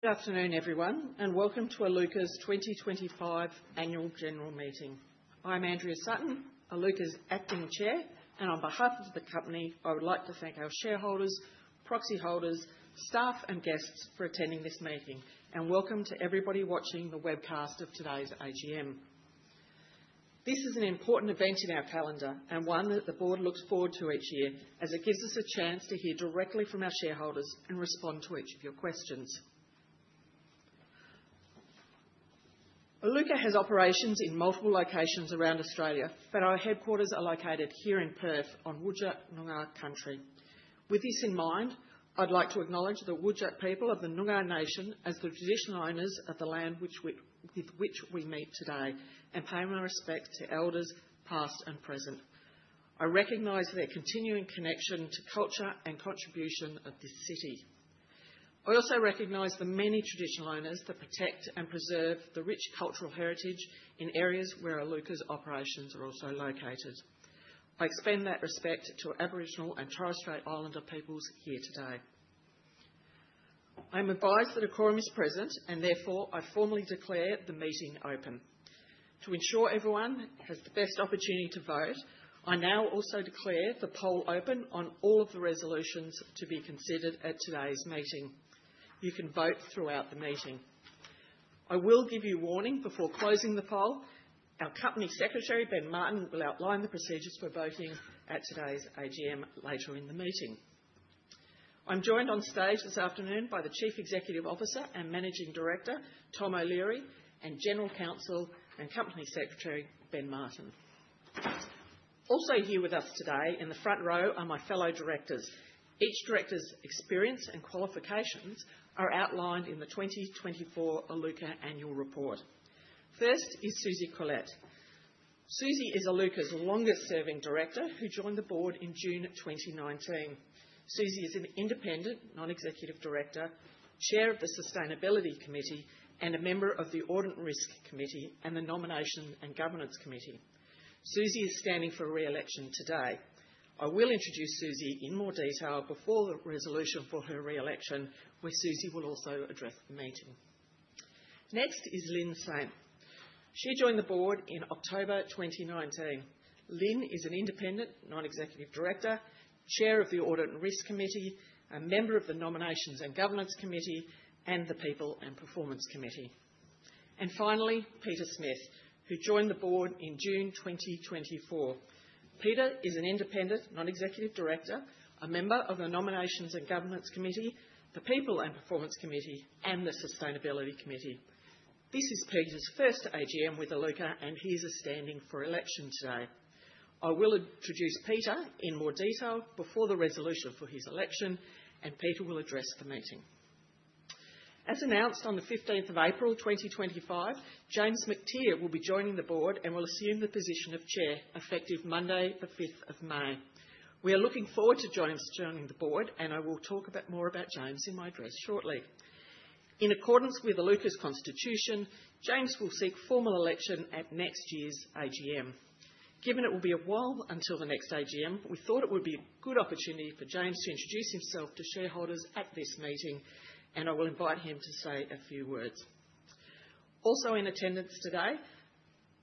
Good afternoon, everyone, and welcome to Iluka's 2025 Annual General Meeting. I'm Andrea Sutton, Iluka's Acting Chair, and on behalf of the company, I would like to thank our shareholders, proxy holders, staff, and guests for attending this meeting. Welcome to everybody watching the webcast of today's AGM. This is an important event in our calendar and one that the board looks forward to each year, as it gives us a chance to hear directly from our shareholders and respond to each of your questions. Iluka has operations in multiple locations around Australia, but our headquarters are located here in Perth on Whadjuk Noongar Country. With this in mind, I'd like to acknowledge the Whadjuk people of the Noongar Nation as the traditional owners of the land on which we meet today, and pay my respects to elders past and present. I recognize their continuing connection to culture and contribution of this city. I also recognize the many traditional owners that protect and preserve the rich cultural heritage in areas where Iluka's operations are also located. I extend that respect to Aboriginal and Torres Strait Islander peoples here today. I'm advised that a quorum is present, and therefore I formally declare the meeting open. To ensure everyone has the best opportunity to vote, I now also declare the poll open on all of the resolutions to be considered at today's meeting. You can vote throughout the meeting. I will give you a warning before closing the poll. Our Company Secretary, Ben Martin, will outline the procedures for voting at today's AGM later in the meeting. I'm joined on stage this afternoon by the Chief Executive Officer and Managing Director Tom O'Leary and General Counsel and Company Secretary Ben Martin. Also here with us today in the front row are my fellow directors. Each director's experience and qualifications are outlined in the 2024 Iluka Annual Report. First is Susie Corlett. Susie is Iluka's longest-serving director, who joined the board in June 2019. Susie is an independent, non-executive director, chair of the Sustainability Committee, and a member of the Audit Risk Committee and the Nomination and Governance Committee. Susie is standing for re-election today. I will introduce Susie in more detail before the resolution for her re-election, where Susie will also address the meeting. Next is Lynn Saint. She joined the board in October 2019. Lynn is an independent, non-executive director, chair of the Audit Risk Committee, a member of the Nomination and Governance Committee, and the People and Performance Committee. Finally, Peter Smith, who joined the board in June 2024. Peter is an independent, non-executive director, a member of the Nominations and Governance Committee, the People and Performance Committee, and the Sustainability Committee. This is Peter's first AGM with Iluka, and he is standing for election today. I will introduce Peter in more detail before the resolution for his election, and Peter will address the meeting. As announced on the 15th of April 2025, James Mactier will be joining the board and will assume the position of chair effective Monday, the 5th of May. We are looking forward to James joining the board, and I will talk a bit more about James in my address shortly. In accordance with Iluka's constitution, James will seek formal election at next year's AGM. Given it will be a while until the next AGM, we thought it would be a good opportunity for James to introduce himself to shareholders at this meeting, and I will invite him to say a few words. Also in attendance today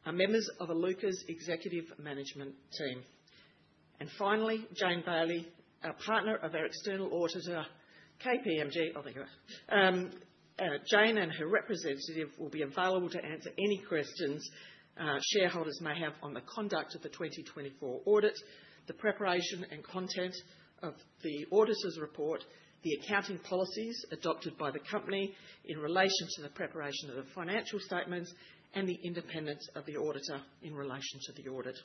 are members of Iluka's executive management team. Finally, Jane Bailey, a partner of our external auditor, KPMG. Jane and her representative will be available to answer any questions shareholders may have on the conduct of the 2024 audit, the preparation and content of the auditor's report, the accounting policies adopted by the company in relation to the preparation of the financial statements, and the independence of the auditor in relation to the audit.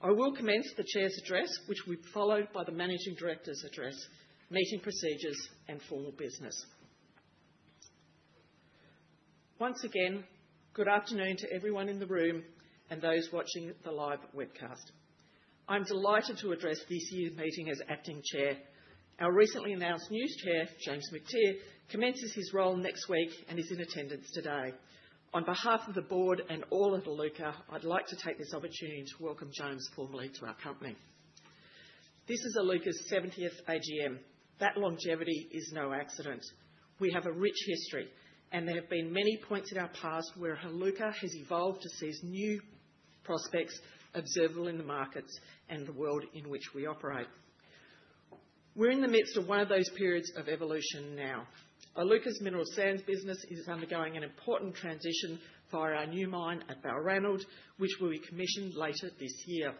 I will commence the chair's address, which will be followed by the managing director's address, meeting procedures, and formal business. Once again, good afternoon to everyone in the room and those watching the live webcast. I'm delighted to address this year's meeting as Acting Chair. Our recently announced new chair, James Mactier, commences his role next week and is in attendance today. On behalf of the board and all at Iluka, I'd like to take this opportunity to welcome James formally to our company. This is Iluka's 70th AGM. That longevity is no accident. We have a rich history, and there have been many points in our past where Iluka has evolved to seize new prospects observable in the markets and the world in which we operate. We're in the midst of one of those periods of evolution now. Iluka's mineral sands business is undergoing an important transition via our new mine at Balranald, which will be commissioned later this year.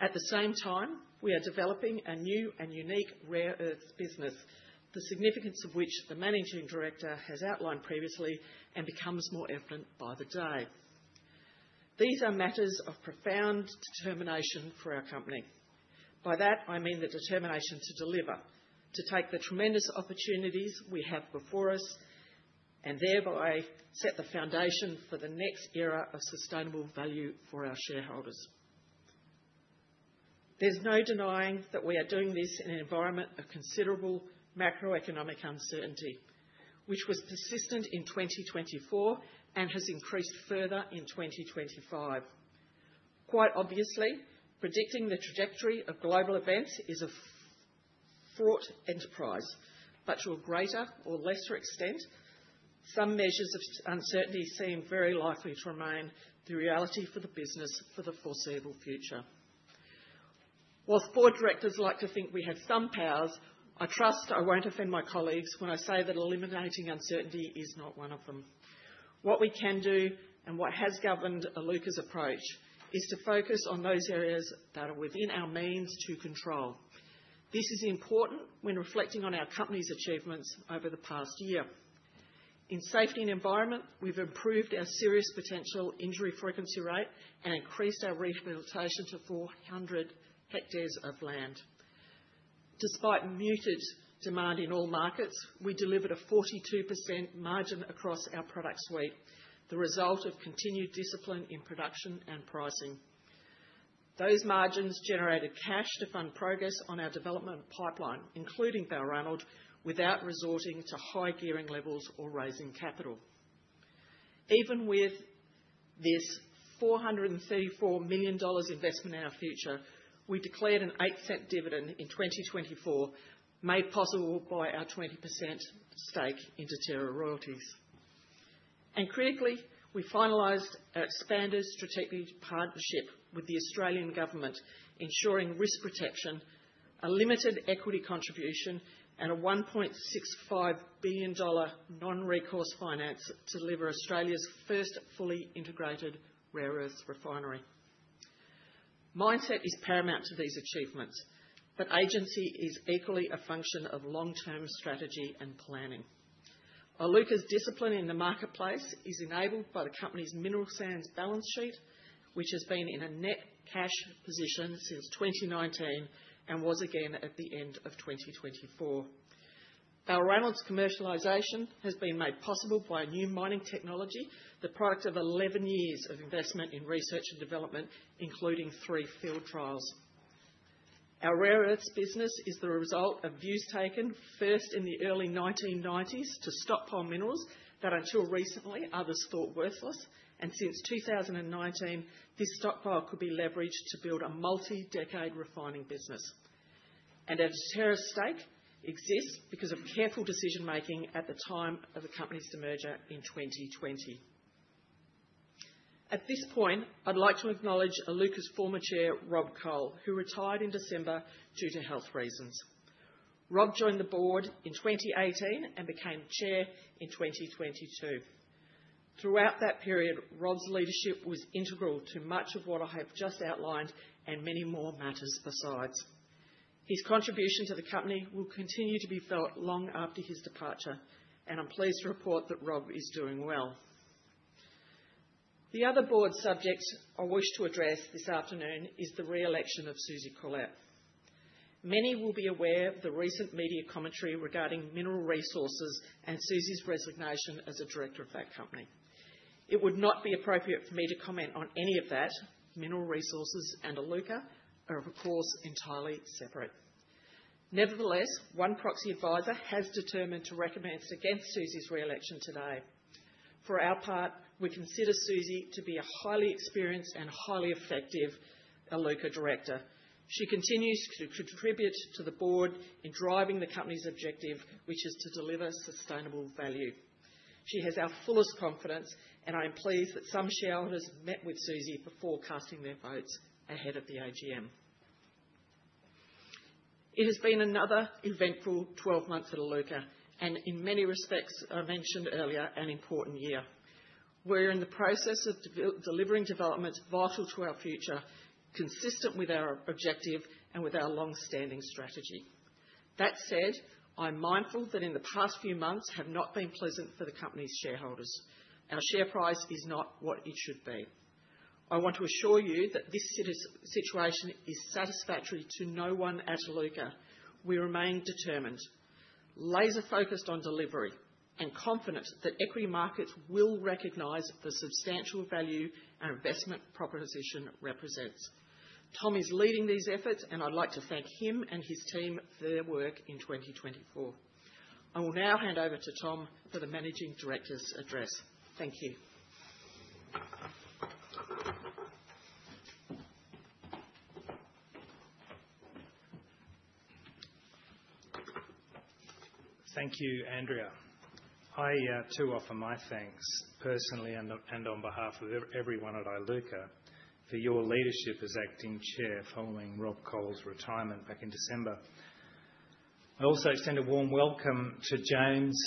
At the same time, we are developing a new and unique rare earths business, the significance of which the managing director has outlined previously and becomes more evident by the day. These are matters of profound determination for our company. By that, I mean the determination to deliver, to take the tremendous opportunities we have before us, and thereby set the foundation for the next era of sustainable value for our shareholders. There's no denying that we are doing this in an environment of considerable macroeconomic uncertainty, which was persistent in 2024 and has increased further in 2025. Quite obviously, predicting the trajectory of global events is a fraught enterprise, but to a greater or lesser extent, some measures of uncertainty seem very likely to remain the reality for the business for the foreseeable future. Whilst board directors like to think we have some powers, I trust I won't offend my colleagues when I say that eliminating uncertainty is not one of them. What we can do and what has governed Iluka's approach is to focus on those areas that are within our means to control. This is important when reflecting on our company's achievements over the past year. In safety and environment, we've improved our serious potential injury frequency rate and increased our rehabilitation to 400 ha of land. Despite muted demand in all markets, we delivered a 42% margin across our product suite, the result of continued discipline in production and pricing. Those margins generated cash to fund progress on our development pipeline, including Balranald, without resorting to high gearing levels or raising capital. Even with this 434 million dollars investment in our future, we declared an 8% dividend in 2024, made possible by our 20% stake in Deterra Royalties. Critically, we finalized our expanded strategic partnership with the Australian government, ensuring risk protection, a limited equity contribution, and 1.65 billion dollar non-recourse finance to deliver Australia's first fully integrated rare earths refinery. Mindset is paramount to these achievements, but agency is equally a function of long-term strategy and planning. Iluka's discipline in the marketplace is enabled by the company's mineral sands balance sheet, which has been in a net cash position since 2019 and was again at the end of 2024. Balranald's commercialization has been made possible by a new mining technology, the product of 11 years of investment in research and development, including three field trials. Our rare earths business is the result of views taken first in the early 1990s to stockpile minerals that until recently others thought worthless, and since 2019, this stockpile could be leveraged to build a multi-decade refining business. A Deterra stake exists because of careful decision-making at the time of the company's merger in 2020. At this point, I'd like to acknowledge Iluka's former Chair, Rob Cole, who retired in December due to health reasons. Rob joined the board in 2018 and became Chair in 2022. Throughout that period, Rob's leadership was integral to much of what I have just outlined and many more matters besides. His contribution to the company will continue to be felt long after his departure, and I'm pleased to report that Rob is doing well. The other board subject I wish to address this afternoon is the re-election of Susie Corlett. Many will be aware of the recent media commentary regarding Mineral Resources and Susie's resignation as a director of that company. It would not be appropriate for me to comment on any of that. Mineral Resources and Iluka are, of course, entirely separate. Nevertheless, one proxy advisor has determined to recommence against Susie's re-election today. For our part, we consider Susie to be a highly experienced and highly effective Iluka director. She continues to contribute to the board in driving the company's objective, which is to deliver sustainable value. She has our fullest confidence, and I am pleased that some shareholders met with Susie before casting their votes ahead of the AGM. It has been another eventful 12 months at Iluka, and in many respects, I mentioned earlier, an important year. We're in the process of delivering developments vital to our future, consistent with our objective and with our long-standing strategy. That said, I'm mindful that in the past few months have not been pleasant for the company's shareholders. Our share price is not what it should be. I want to assure you that this situation is satisfactory to no one at Iluka. We remain determined, laser-focused on delivery, and confident that equity markets will recognise the substantial value our investment proposition represents. Tom is leading these efforts, and I'd like to thank him and his team for their work in 2024. I will now hand over to Tom for the Managing Director's address. Thank you. Thank you, Andrea. I too offer my thanks personally and on behalf of everyone at Iluka for your leadership as Acting Chair following Rob Cole's retirement back in December. I also extend a warm welcome to James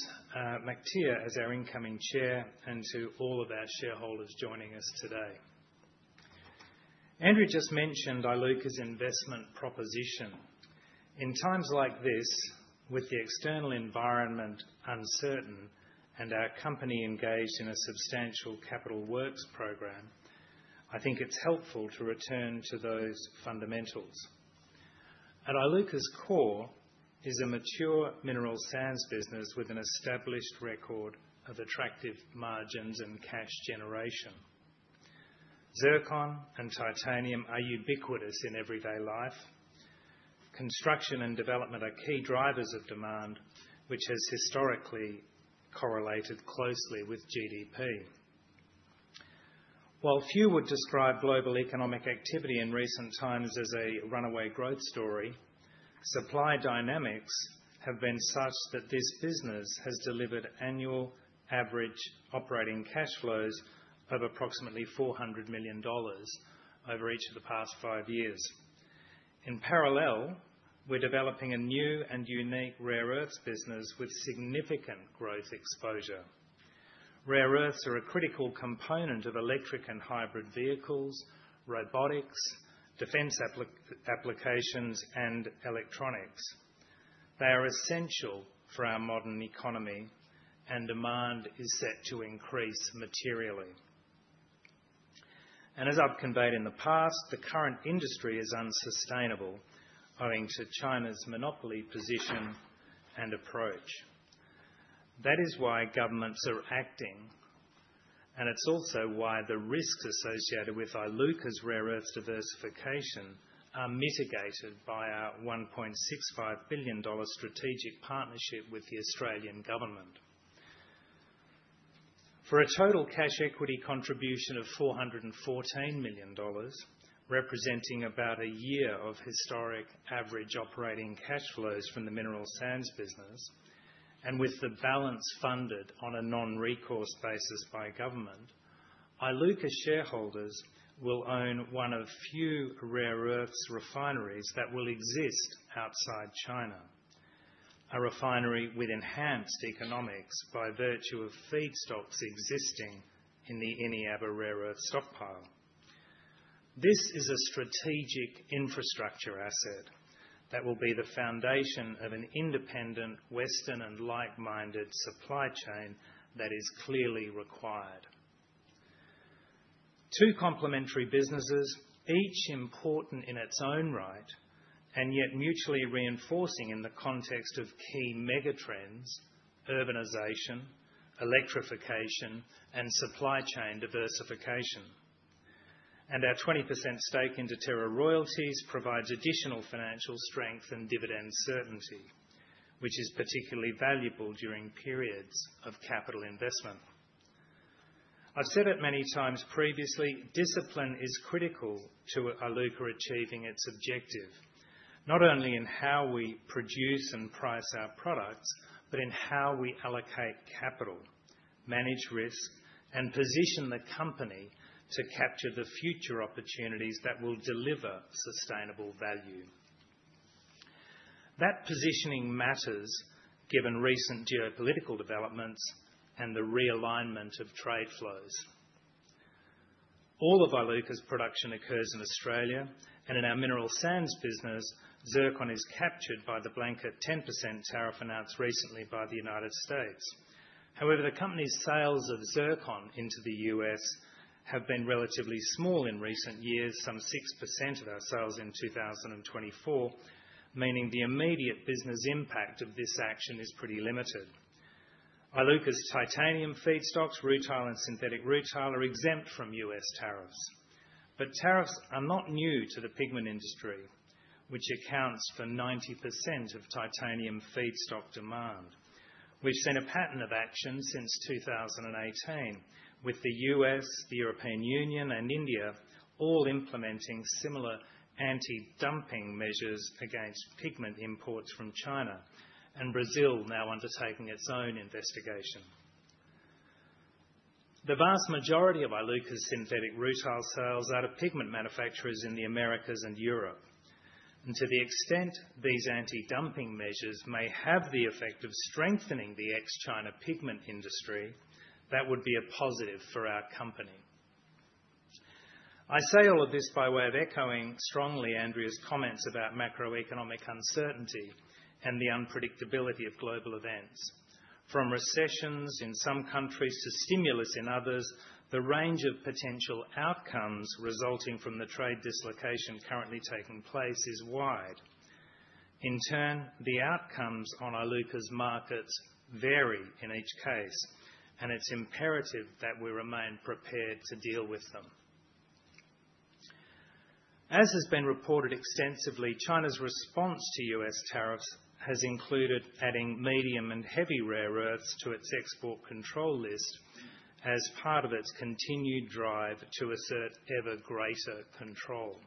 Mactier as our incoming Chair and to all of our shareholders joining us today. Andrea just mentioned Iluka's investment proposition. In times like this, with the external environment uncertain and our company engaged in a substantial capital works program, I think it's helpful to return to those fundamentals. At Iluka's core is a mature mineral sands business with an established record of attractive margins and cash generation. Zircon and titanium are ubiquitous in everyday life. Construction and development are key drivers of demand, which has historically correlated closely with GDP. While few would describe global economic activity in recent times as a runaway growth story, supply dynamics have been such that this business has delivered annual average operating cash flows of approximately 400 million dollars over each of the past five years. In parallel, we're developing a new and unique rare earths business with significant growth exposure. Rare earths are a critical component of electric and hybrid vehicles, robotics, defence applications, and electronics. They are essential for our modern economy, and demand is set to increase materially. As I've conveyed in the past, the current industry is unsustainable, owing to China's monopoly position and approach. That is why governments are acting, and it's also why the risks associated with Iluka's rare earths diversification are mitigated by our 1.65 billion dollar strategic partnership with the Australian government. For a total cash equity contribution of 414 million dollars, representing about a year of historic average operating cash flows from the mineral sands business, and with the balance funded on a non-recourse basis by government, Iluka shareholders will own one of few rare earths refineries that will exist outside China, a refinery with enhanced economics by virtue of feedstocks existing in the Eneabba rare earth stockpile. This is a strategic infrastructure asset that will be the foundation of an independent Western and like-minded supply chain that is clearly required. Two complementary businesses, each important in its own right, and yet mutually reinforcing in the context of key megatrends: urbanisation, electrification, and supply chain diversification. Our 20% stake in Deterra Royalties provides additional financial strength and dividend certainty, which is particularly valuable during periods of capital investment. I've said it many times previously, discipline is critical to Iluka achieving its objective, not only in how we produce and price our products, but in how we allocate capital, manage risk, and position the company to capture the future opportunities that will deliver sustainable value. That positioning matters given recent geopolitical developments and the realignment of trade flows. All of Iluka's production occurs in Australia, and in our mineral sands business, zircon is captured by the blanket 10% tariff announced recently by the United States. However, the company's sales of zircon into the U.S. have been relatively small in recent years, some 6% of our sales in 2024, meaning the immediate business impact of this action is pretty limited. Iluka's titanium feedstocks, rutile and synthetic rutile, are exempt from U.S. tariffs. Tariffs are not new to the pigment industry, which accounts for 90% of titanium feedstock demand, which has been a pattern of action since 2018, with the U.S., the European Union, and India all implementing similar anti-dumping measures against pigment imports from China, and Brazil now undertaking its own investigation. The vast majority of Iluka's synthetic rutile sales are to pigment manufacturers in the Americas and Europe. To the extent these anti-dumping measures may have the effect of strengthening the ex-China pigment industry, that would be a positive for our company. I say all of this by way of echoing strongly Andrea's comments about macroeconomic uncertainty and the unpredictability of global events. From recessions in some countries to stimulus in others, the range of potential outcomes resulting from the trade dislocation currently taking place is wide. In turn, the outcomes on Iluka's markets vary in each case, and it's imperative that we remain prepared to deal with them. As has been reported extensively, China's response to U.S. tariffs has included adding medium and heavy rare earths to its export control list as part of its continued drive to assert ever greater control.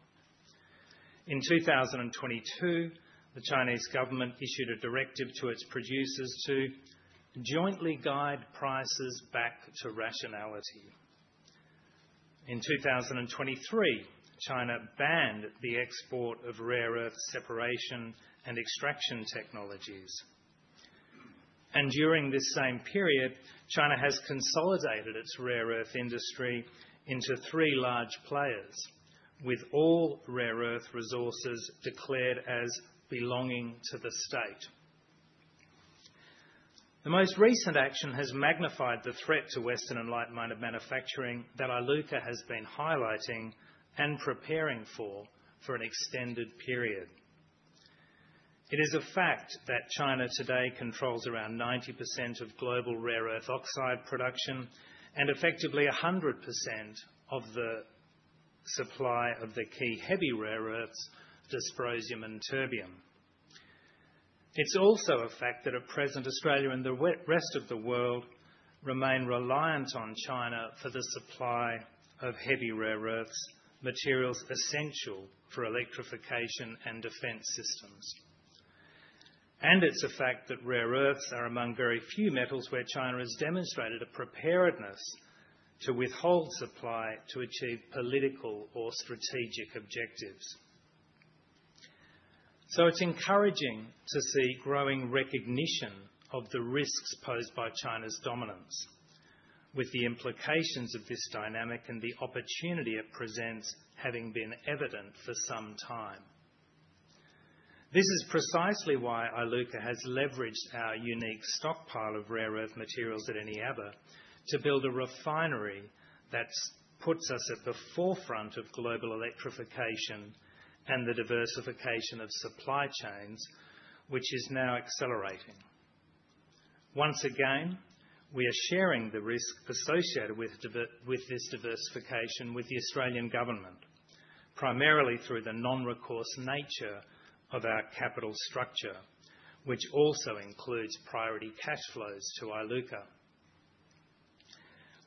In 2022, the Chinese government issued a directive to its producers to jointly guide prices back to rationality. In 2023, China banned the export of rare earth separation and extraction technologies. During this same period, China has consolidated its rare earth industry into three large players, with all rare earth resources declared as belonging to the state. The most recent action has magnified the threat to Western and like-minded manufacturing that Iluka has been highlighting and preparing for for an extended period. It is a fact that China today controls around 90% of global rare earth oxide production and effectively 100% of the supply of the key heavy rare earths, dysprosium and terbium. It is also a fact that at present, Australia and the rest of the world remain reliant on China for the supply of heavy rare earths, materials essential for electrification and defense systems. It is a fact that rare earths are among very few metals where China has demonstrated a preparedness to withhold supply to achieve political or strategic objectives. It is encouraging to see growing recognition of the risks posed by China's dominance, with the implications of this dynamic and the opportunity it presents having been evident for some time. This is precisely why Iluka has leveraged our unique stockpile of rare earth materials at Eneabba to build a refinery that puts us at the forefront of global electrification and the diversification of supply chains, which is now accelerating. Once again, we are sharing the risk associated with this diversification with the Australian government, primarily through the non-recourse nature of our capital structure, which also includes priority cash flows to Iluka.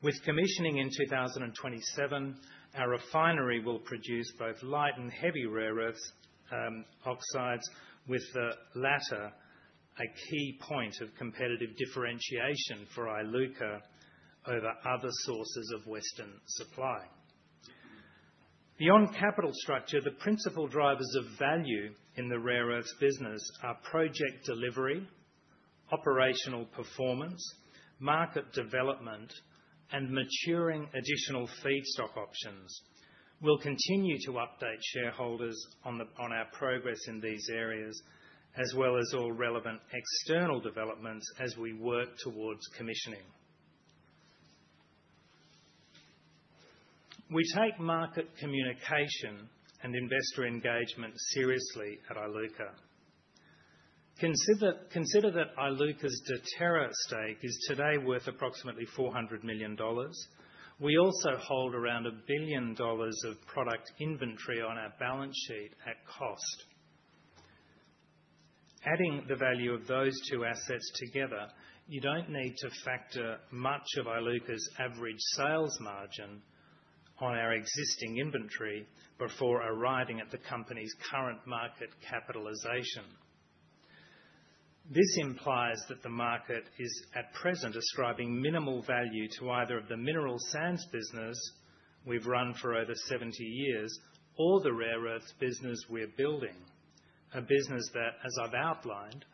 With commissioning in 2027, our refinery will produce both light and heavy rare earth oxides, with the latter a key point of competitive differentiation for Iluka over other sources of Western supply. Beyond capital structure, the principal drivers of value in the rare earths business are project delivery, operational performance, market development, and maturing additional feedstock options. We'll continue to update shareholders on our progress in these areas, as well as all relevant external developments as we work towards commissioning. We take market communication and investor engagement seriously at Iluka. Consider that Iluka's Deterra stake is today worth approximately 400 million dollars. We also hold around 1 billion dollars of product inventory on our balance sheet at cost. Adding the value of those two assets together, you don't need to factor much of Iluka's average sales margin on our existing inventory before arriving at the company's current market capitalisation. This implies that the market is at present ascribing minimal value to either the mineral sands business we've run for over 70 years or the rare earths business we're building, a business that, as I've outlined,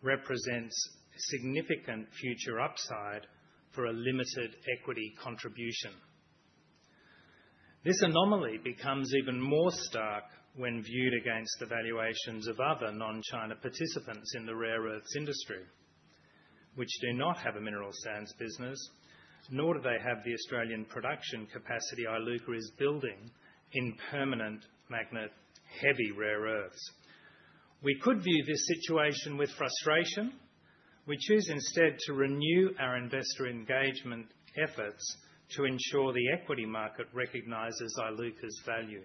represents significant future upside for a limited equity contribution. This anomaly becomes even more stark when viewed against the valuations of other non-China participants in the rare earths industry, which do not have a mineral sands business, nor do they have the Australian production capacity Iluka is building in permanent magnet heavy rare earths. We could view this situation with frustration. We choose instead to renew our investor engagement efforts to ensure the equity market recognises Iluka's value.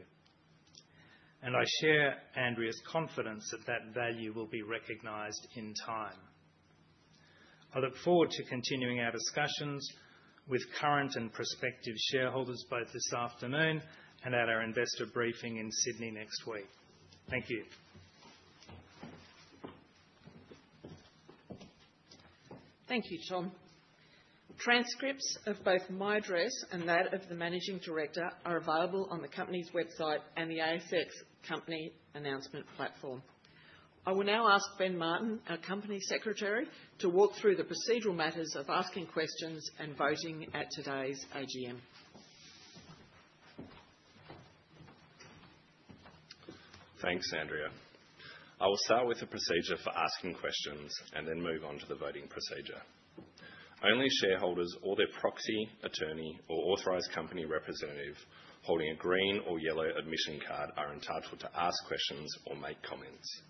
I share Andrea's confidence that that value will be recognised in time. I look forward to continuing our discussions with current and prospective shareholders both this afternoon and at our investor briefing in Sydney next week. Thank you. Thank you, Tom. Transcripts of both my address and that of the Managing Director are available on the company's website and the ASX company announcement platform. I will now ask Ben Martin, our Company Secretary, to walk through the procedural matters of asking questions and voting at today's AGM. Thanks, Andrea. I will start with the procedure for asking questions and then move on to the voting procedure. Only shareholders or their proxy attorney or authorized company representative holding a green or yellow admission card are entitled to ask questions or make comments.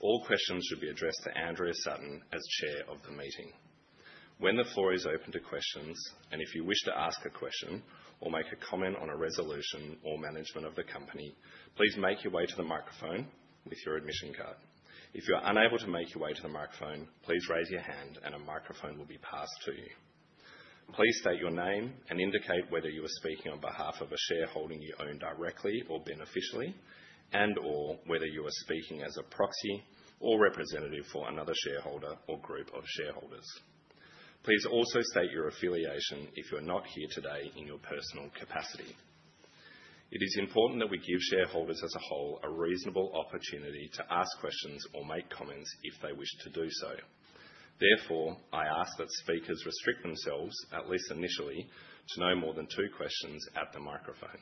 All questions should be addressed to Andrea Sutton as Chair of the meeting. When the floor is open to questions, and if you wish to ask a question or make a comment on a resolution or management of the company, please make your way to the microphone with your admission card. If you are unable to make your way to the microphone, please raise your hand and a microphone will be passed to you. Please state your name and indicate whether you are speaking on behalf of a shareholding you own directly or beneficially, and or whether you are speaking as a proxy or representative for another shareholder or group of shareholders. Please also state your affiliation if you are not here today in your personal capacity. It is important that we give shareholders as a whole a reasonable opportunity to ask questions or make comments if they wish to do so. Therefore, I ask that speakers restrict themselves, at least initially, to no more than two questions at the microphone.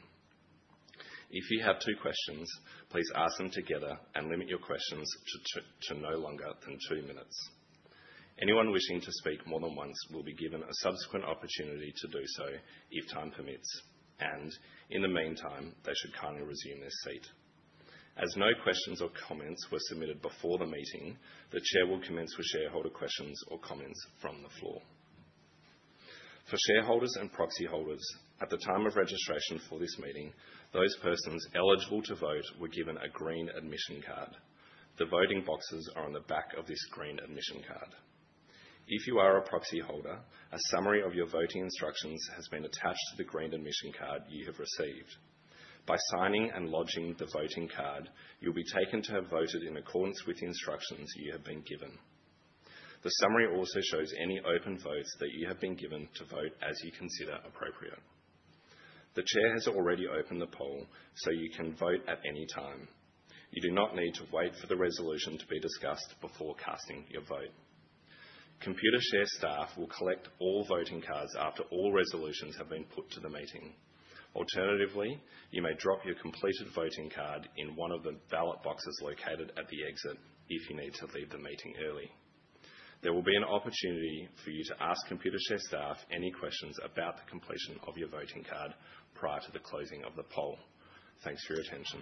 If you have two questions, please ask them together and limit your questions to no longer than two minutes. Anyone wishing to speak more than once will be given a subsequent opportunity to do so if time permits, and in the meantime, they should kindly resume their seat. As no questions or comments were submitted before the meeting, the Chair will commence with shareholder questions or comments from the floor. For shareholders and proxy holders, at the time of registration for this meeting, those persons eligible to vote were given a green admission card. The voting boxes are on the back of this green admission card. If you are a proxy holder, a summary of your voting instructions has been attached to the green admission card you have received. By signing and lodging the voting card, you'll be taken to have voted in accordance with the instructions you have been given. The summary also shows any open votes that you have been given to vote as you consider appropriate. The Chair has already opened the poll, so you can vote at any time. You do not need to wait for the resolution to be discussed before casting your vote. Computershare staff will collect all voting cards after all resolutions have been put to the meeting. Alternatively, you may drop your completed voting card in one of the ballot boxes located at the exit if you need to leave the meeting early. There will be an opportunity for you to ask Computershare staff any questions about the completion of your voting card prior to the closing of the poll. Thanks for your attention.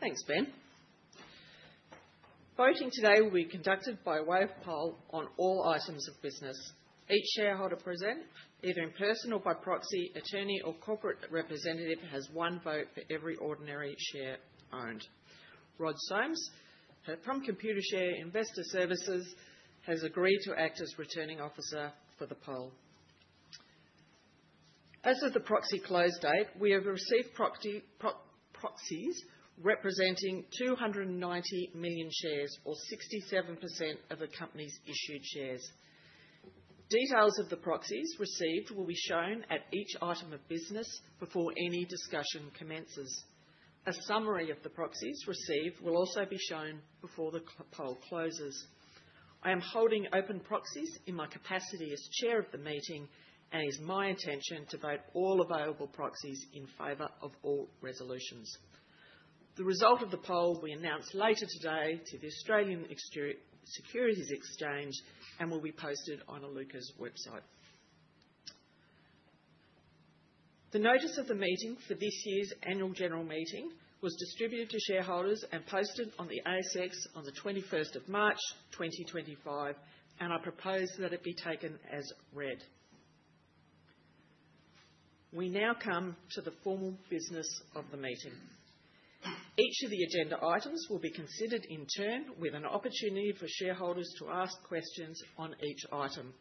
Thanks, Ben. Voting today will be conducted by way of poll on all items of business. Each shareholder present, either in person or by proxy, attorney or corporate representative has one vote for every ordinary share owned. Rod Somes, from Computershare Investor Services, has agreed to act as returning officer for the poll. As of the proxy close date, we have received proxies representing 290 million shares, or 67% of the company's issued shares. Details of the proxies received will be shown at each item of business before any discussion commences. A summary of the proxies received will also be shown before the poll closes. I am holding open proxies in my capacity as Chair of the meeting, and it is my intention to vote all available proxies in favor of all resolutions. The result of the poll will be announced later today to the Australian Securities Exchange and will be posted on Iluka's website. The notice of the meeting for this year's annual general meeting was distributed to shareholders and posted on the ASX on the 21st of March 2025, and I propose that it be taken as read. We now come to the formal business of the meeting. Each of the agenda items will be considered in turn, with an opportunity for shareholders to ask questions on each item.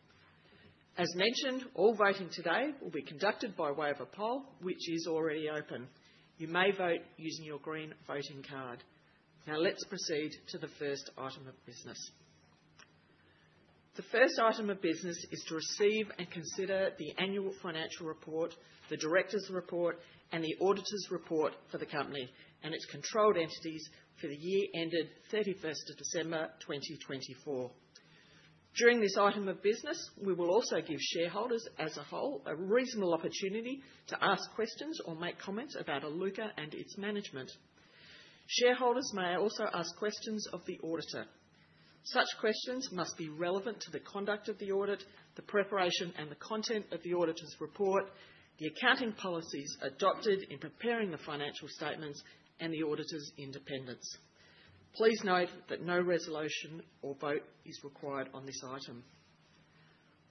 As mentioned, all voting today will be conducted by way of a poll, which is already open. You may vote using your green voting card. Now let's proceed to the first item of business. The first item of business is to receive and consider the annual financial report, the director's report, and the auditor's report for the company and its controlled entities for the year ended 31st of December 2024. During this item of business, we will also give shareholders as a whole a reasonable opportunity to ask questions or make comments about Iluka and its management. Shareholders may also ask questions of the auditor. Such questions must be relevant to the conduct of the audit, the preparation and the content of the auditor's report, the accounting policies adopted in preparing the financial statements, and the auditor's independence. Please note that no resolution or vote is required on this item.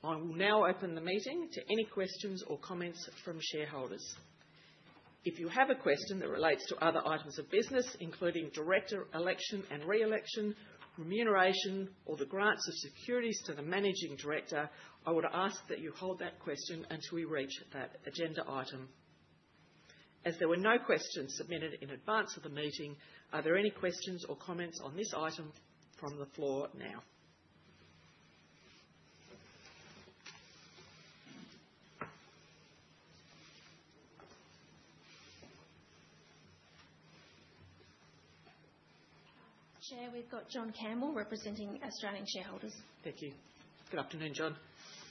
I will now open the meeting to any questions or comments from shareholders. If you have a question that relates to other items of business, including director election and re-election, remuneration, or the grants of securities to the managing director, I would ask that you hold that question until we reach that agenda item. As there were no questions submitted in advance of the meeting, are there any questions or comments on this item from the floor now? Chair, we've got John Campbell representing Australian Shareholders Association. Thank you. Good afternoon, John.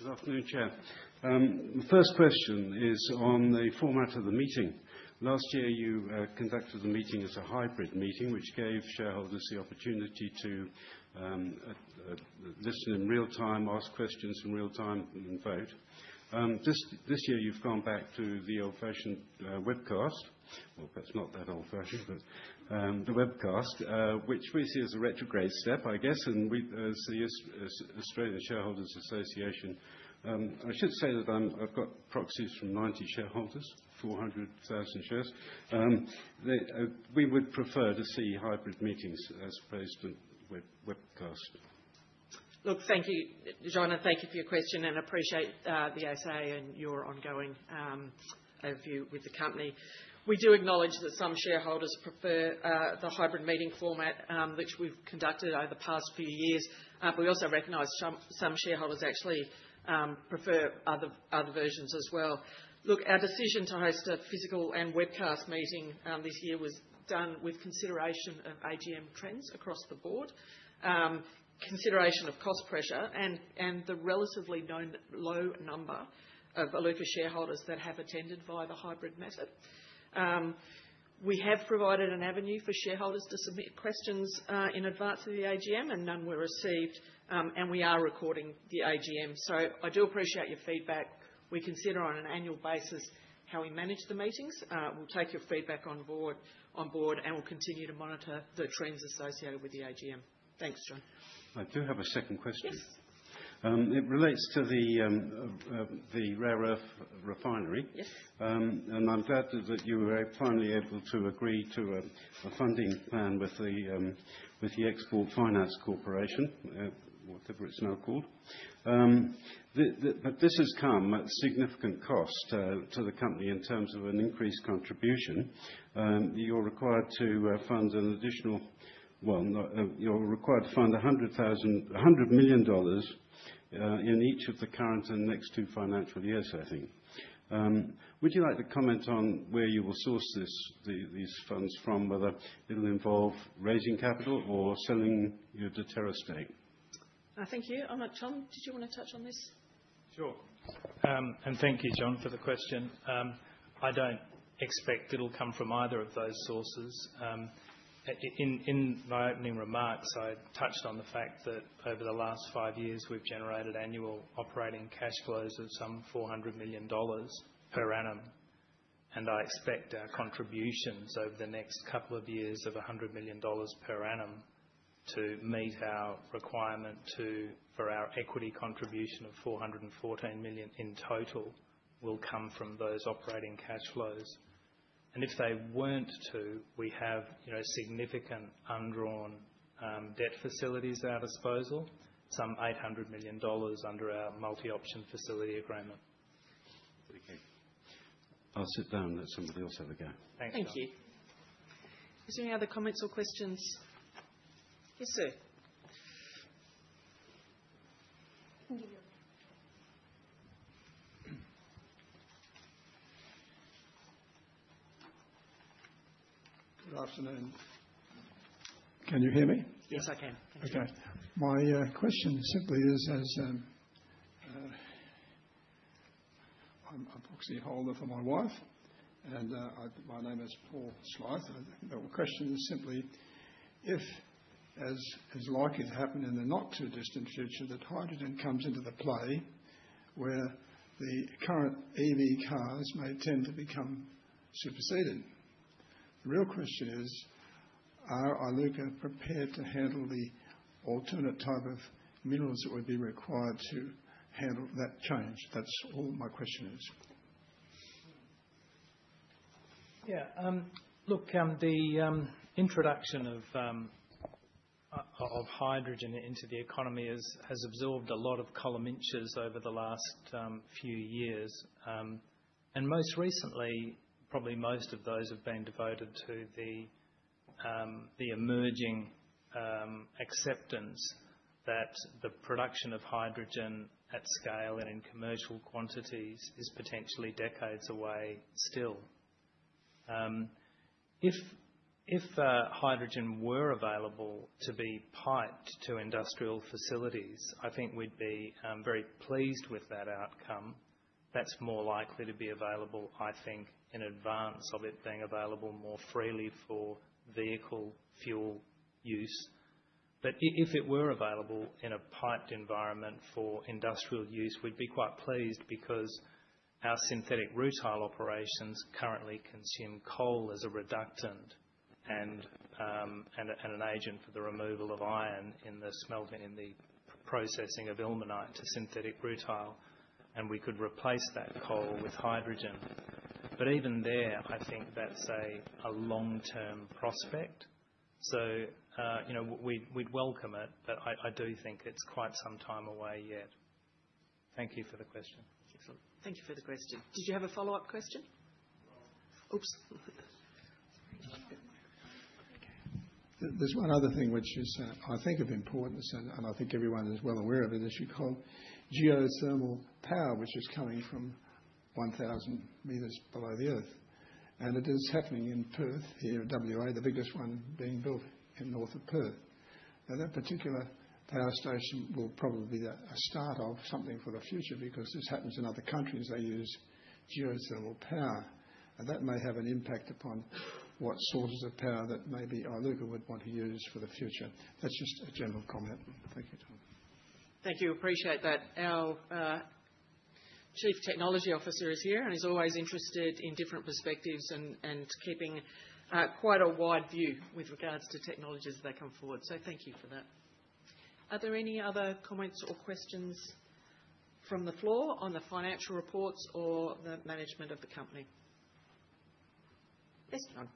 Good afternoon, Chair. The first question is on the format of the meeting. Last year, you conducted the meeting as a hybrid meeting, which gave shareholders the opportunity to listen in real time, ask questions in real time, and vote. This year, you've gone back to the old-fashioned webcast, or perhaps not that old-fashioned, but the webcast, which we see as a retrograde step, I guess, and we see Australian Shareholders Association. I should say that I've got proxies from 90 shareholders, 400,000 shares. We would prefer to see hybrid meetings, as opposed to webcast. Look, thank you, John, and thank you for your question, and I appreciate the ASA and your ongoing overview with the company. We do acknowledge that some shareholders prefer the hybrid meeting format, which we've conducted over the past few years, but we also recognize some shareholders actually prefer other versions as well. Look, our decision to host a physical and webcast meeting this year was done with consideration of AGM trends across the board, consideration of cost pressure, and the relatively low number of Iluka shareholders that have attended via the hybrid method. We have provided an avenue for shareholders to submit questions in advance of the AGM, and none were received, and we are recording the AGM, so I do appreciate your feedback. We consider on an annual basis how we manage the meetings. We'll take your feedback on board, and we'll continue to monitor the trends associated with the AGM. Thanks, John. I do have a second question. Yes. It relates to the rare earth refinery. Yes. I'm glad that you were finally able to agree to a funding plan with Export Finance corporation, whatever it's now called. This has come at significant cost to the company in terms of an increased contribution. You're required to fund an additional, well, you're required to fund 100 million dollars in each of the current and next two financial years, I think. Would you like to comment on where you will source these funds from, whether it'll involve raising capital or selling your Deterra stake? Thank you. I'll let Tom. Did you want to touch on this? Sure. Thank you, John, for the question. I do not expect it will come from either of those sources. In my opening remarks, I touched on the fact that over the last five years, we have generated annual operating cash flows of some 400 million dollars per annum, and I expect our contributions over the next couple of years of 100 million dollars per annum to meet our requirement for our equity contribution of 414 million in total will come from those operating cash flows. If they were not to, we have significant undrawn debt facilities at our disposal, some 800 million dollars under our multi-option facility agreement. Thank you. I'll sit down and let somebody else have a go. Thank you. Is there any other comments or questions? Yes, sir. Good afternoon. Can you hear me? Yes, I can. Okay. My question simply is, as I'm a proxy holder for my wife, and my name is Paul Slyth, and the question is simply if, as is likely to happen in the not-too-distant future, that hydrogen comes into the play where the current EV cars may tend to become superseded. The real question is, are Iluka prepared to handle the alternate type of minerals that would be required to handle that change? That's all my question is. Yeah. Look, the introduction of hydrogen into the economy has absorbed a lot of column inches over the last few years. Most recently, probably most of those have been devoted to the emerging acceptance that the production of hydrogen at scale and in commercial quantities is potentially decades away still. If hydrogen were available to be piped to industrial facilities, I think we'd be very pleased with that outcome. That's more likely to be available, I think, in advance of it being available more freely for vehicle fuel use. If it were available in a piped environment for industrial use, we'd be quite pleased because our synthetic rutile operations currently consume coal as a reductant and an agent for the removal of iron in the processing of ilmenite to synthetic rutile, and we could replace that coal with hydrogen. Even there, I think that's a long-term prospect. We'd welcome it, but I do think it's quite some time away yet. Thank you for the question. Thank you for the question. Did you have a follow-up question? Oops. There's one other thing which is, I think, of importance, and I think everyone is well aware of it, as you called, geothermal power, which is coming from 1,000 m below the earth. It is happening in Perth here at WA, the biggest one being built north of Perth. Now, that particular power station will probably be a start of something for the future because this happens in other countries. They use geothermal power, and that may have an impact upon what sources of power that maybe Iluka would want to use for the future. That's just a general comment. Thank you. Thank you. Appreciate that. Our Chief Technology Officer is here and is always interested in different perspectives and keeping quite a wide view with regards to technologies as they come forward. Thank you for that. Are there any other comments or questions from the floor on the financial reports or the management of the company? Yes, John.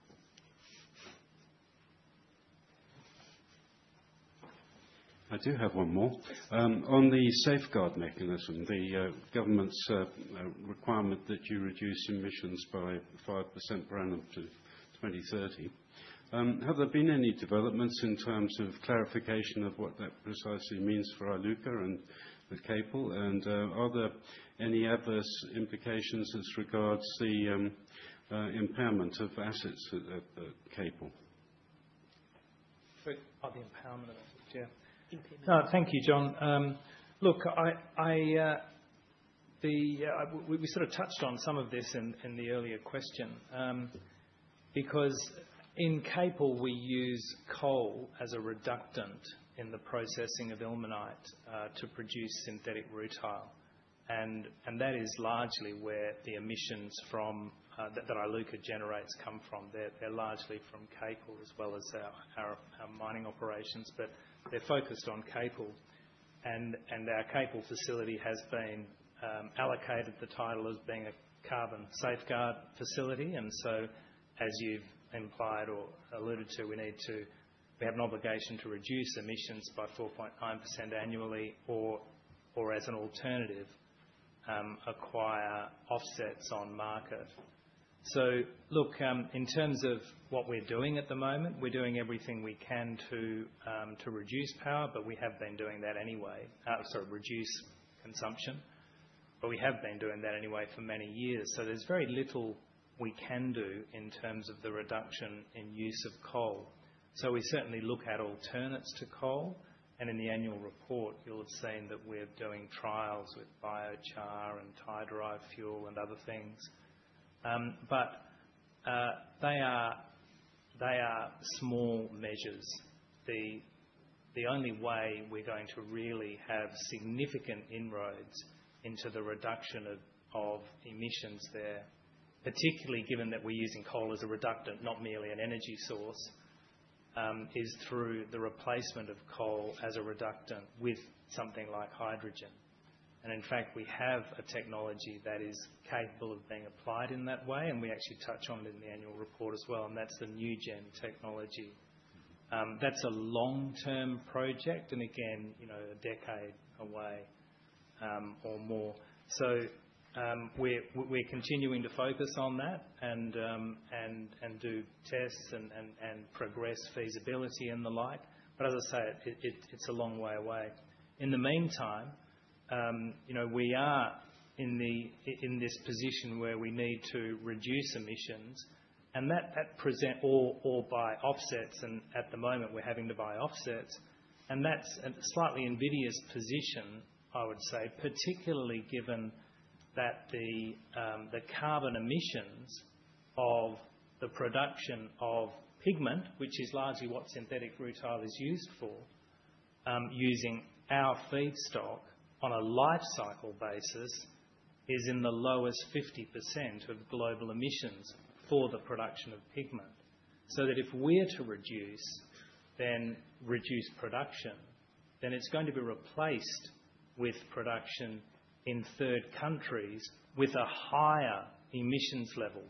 I do have one more. On the safeguard mechanism, the government's requirement that you reduce emissions by 4.9% per annum to 2030, have there been any developments in terms of clarification of what that precisely means for Iluka and the Capel? Are there any adverse implications as regards the impairment of assets at the Capel? For the impairment of assets, yeah. No, thank you, John. Look, we sort of touched on some of this in the earlier question because in Capel, we use coal as a reductant in the processing of ilmenite to produce synthetic rutile, and that is largely where the emissions that Iluka generates come from. They're largely from Capel as well as our mining operations, but they're focused on Capel. And our Capel facility has been allocated the title as being a carbon safeguard facility. As you've implied or alluded to, we have an obligation to reduce emissions by 4.9% annually or, as an alternative, acquire offsets on market. Look, in terms of what we're doing at the moment, we're doing everything we can to reduce power, but we have been doing that anyway. Sorry, reduce consumption, but we have been doing that anyway for many years. There is very little we can do in terms of the reduction in use of coal. We certainly look at alternates to coal, and in the annual report, you will have seen that we are doing trials with biochar and tide-derived fuel and other things. They are small measures. The only way we are going to really have significant inroads into the reduction of emissions there, particularly given that we are using coal as a reductant, not merely an energy source, is through the replacement of coal as a reductant with something like hydrogen. In fact, we have a technology that is capable of being applied in that way, and we actually touch on it in the annual report as well, and that is the new-gen technology. That is a long-term project, and again, a decade away or more. We're continuing to focus on that and do tests and progress feasibility and the like. As I say, it's a long way away. In the meantime, we are in this position where we need to reduce emissions, and that presents or buy offsets, and at the moment, we're having to buy offsets. That's a slightly invidious position, I would say, particularly given that the carbon emissions of the production of pigment, which is largely what synthetic rutile is used for, using our feedstock on a life cycle basis, is in the lowest 50% of global emissions for the production of pigment. If we're to reduce, then reduce production, then it's going to be replaced with production in third countries with a higher emissions level.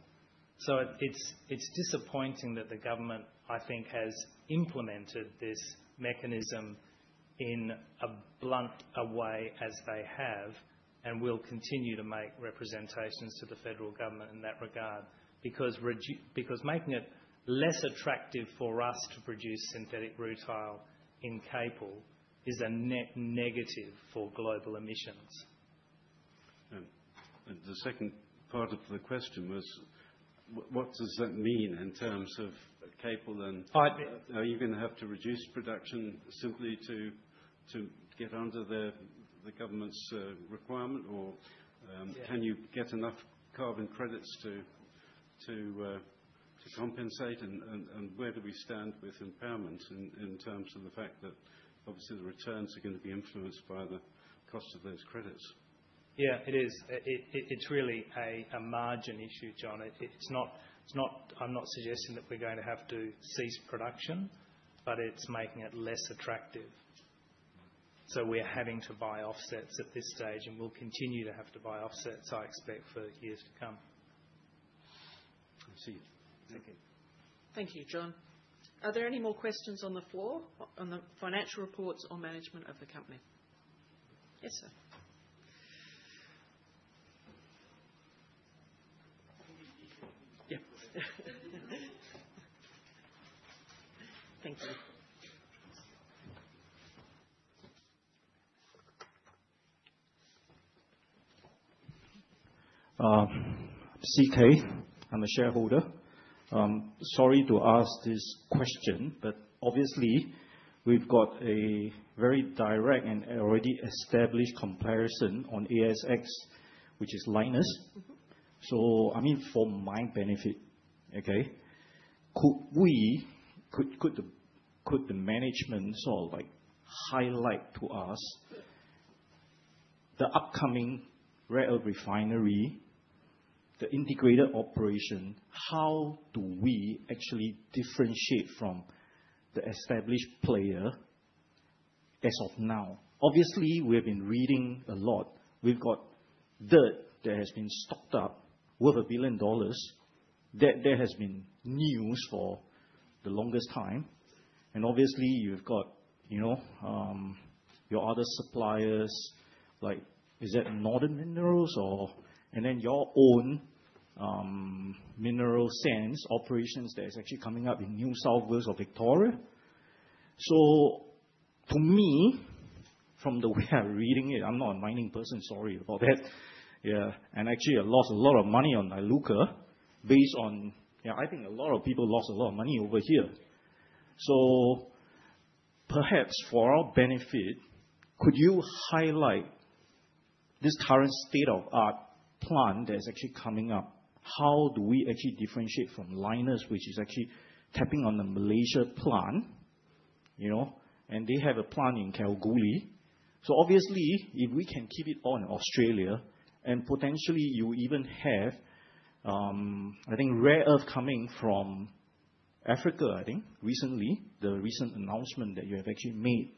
It's disappointing that the government, I think, has implemented this mechanism in a blunt way as they have and will continue to make representations to the federal government in that regard because making it less attractive for us to produce synthetic rutile in Capel is a net negative for global emissions. The second part of the question was, what does that mean in terms of Capel and are you going to have to reduce production simply to get under the government's requirement, or can you get enough carbon credits to compensate, and where do we stand with impairment in terms of the fact that obviously the returns are going to be influenced by the cost of those credits? Yeah, it is. It's really a margin issue, John. I'm not suggesting that we're going to have to cease production, but it's making it less attractive. We're having to buy offsets at this stage, and we'll continue to have to buy offsets, I expect, for years to come. I see. Thank you. Thank you, John. Are there any more questions on the floor on the financial reports or management of the company? Yes, sir. Thank you. I'm CK. I'm a shareholder. Sorry to ask this question, but obviously, we've got a very direct and already established comparison on ASX, which is Lynas. I mean, for my benefit, okay, could the management sort of highlight to us the upcoming rare earth refinery, the integrated operation, how do we actually differentiate from the established player as of now? Obviously, we have been reading a lot. We've got dirt that has been stocked up worth 1 billion dollars. That there has been news for the longest time. Obviously, you've got your other suppliers, like is that Northern Minerals or and then your own Mineral Sands operations that is actually coming up in New South Wales or Victoria. To me, from the way I'm reading it, I'm not a mining person, sorry about that. Yeah. Actually, I lost a lot of money on Iluka based on, yeah, I think a lot of people lost a lot of money over here. Perhaps for our benefit, could you highlight this current state-of-the-art plant that is actually coming up? How do we actually differentiate from Lynas, which is actually tapping on the Malaysia plant? They have a plant in Calgary. Obviously, if we can keep it in Australia and potentially you even have, I think, rare earth coming from Africa, I think, recently, the recent announcement that you have actually made.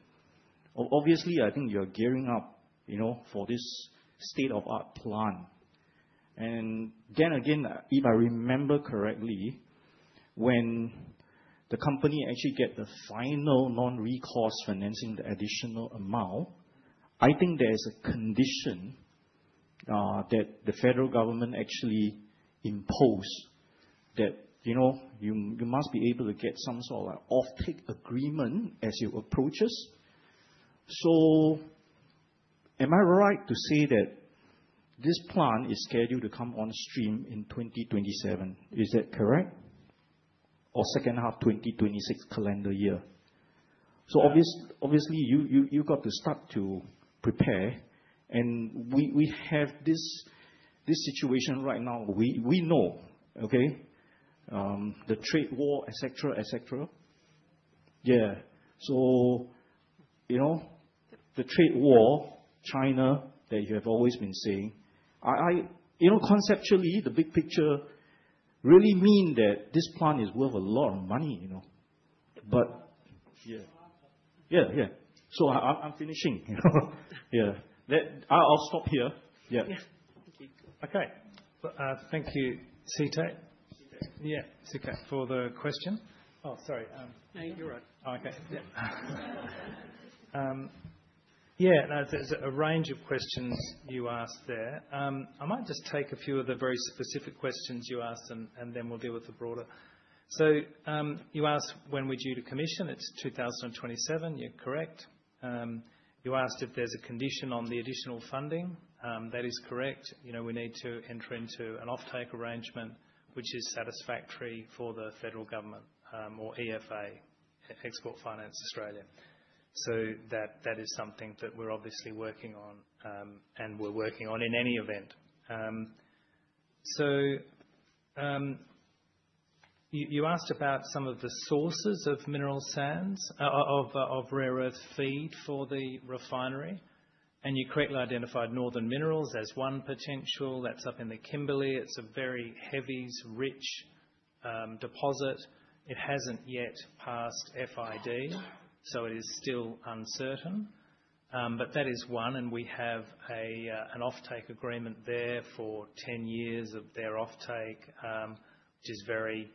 Obviously, I think you're gearing up for this state-of-the-art plant. If I remember correctly, when the company actually gets the final non-recourse financing, the additional amount, I think there's a condition that the federal government actually imposed that you must be able to get some sort of offtake agreement as you approach us. Am I right to say that this plant is scheduled to come on stream in 2027? Is that correct? Or second half 2026 calendar year? Obviously, you've got to start to prepare. We have this situation right now. We know, okay, the trade war, et cetera. et cetera. The trade war, China that you have always been saying, conceptually, the big picture really means that this plant is worth a lot of money. Yeah. I'm finishing. I'll stop here. Yeah. Thank you. Okay. Thank you, CK. Yeah, CK for the question. Oh, sorry. No, you're all right. Okay. Yeah. There's a range of questions you asked there. I might just take a few of the very specific questions you asked and then we'll deal with the broader. You asked when we're due to commission. It's 2027. You're correct. You asked if there's a condition on the additional funding. That is correct. We need to enter into an offtake arrangement, which is satisfactory for the federal government or Export Finance Australia. That is something that we're obviously working on and we're working on in any event. You asked about some of the sources of mineral sands, of rare earth feed for the refinery, and you correctly identified Northern Minerals as one potential. That's up in the Kimberley. It's a very heavy, rich deposit. It hasn't yet passed FID, so it is still uncertain. That is one, and we have an offtake agreement there for 10 years of their offtake, which is very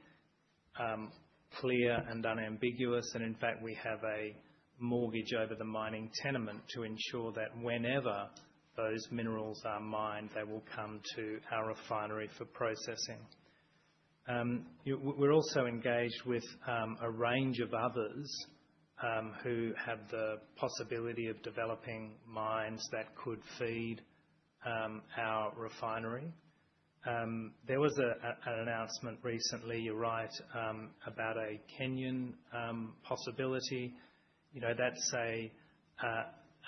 clear and unambiguous. In fact, we have a mortgage over the mining tenement to ensure that whenever those minerals are mined, they will come to our refinery for processing. We are also engaged with a range of others who have the possibility of developing mines that could feed our refinery. There was an announcement recently, you are right, about a Kenyan possibility. That is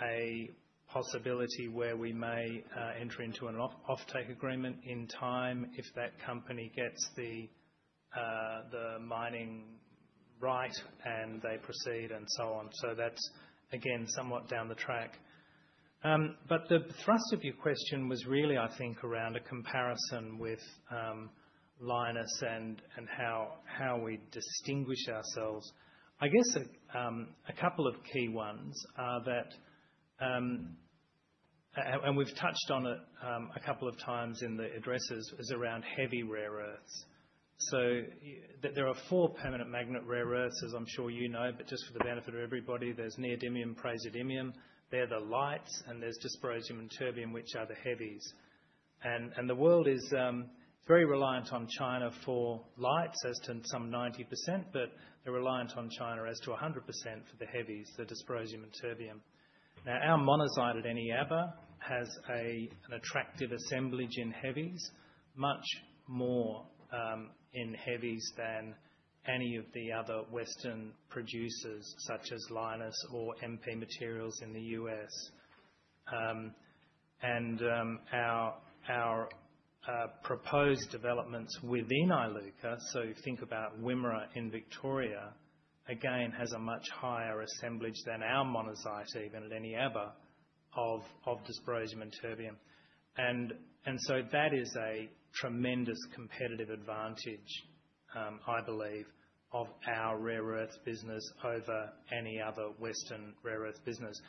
a possibility where we may enter into an offtake agreement in time if that company gets the mining right and they proceed and so on. That is, again, somewhat down the track. The thrust of your question was really, I think, around a comparison with Lynas and how we distinguish ourselves. I guess a couple of key ones are that, and we've touched on it a couple of times in the addresses, is around heavy rare earths. There are four permanent magnet rare earths, as I'm sure you know, but just for the benefit of everybody, there's neodymium, praseodymium. They're the lights, and there's dysprosium and terbium, which are the heavies. The world is very reliant on China for lights as to some 90%, but they're reliant on China as to 100% for the heavies, the dysprosium and terbium. Now, our monazite at Eneabba has an attractive assemblage in heavies, much more in heavies than any of the other Western producers such as Lynas or MP Materials in the U.S. Our proposed developments within Iluka, so think about Wimmera in Victoria, again, has a much higher assemblage than our monazite, even at Eneabba, of dysprosium and terbium. That is a tremendous competitive advantage, I believe, of our rare earths business over any other Western rare earth business.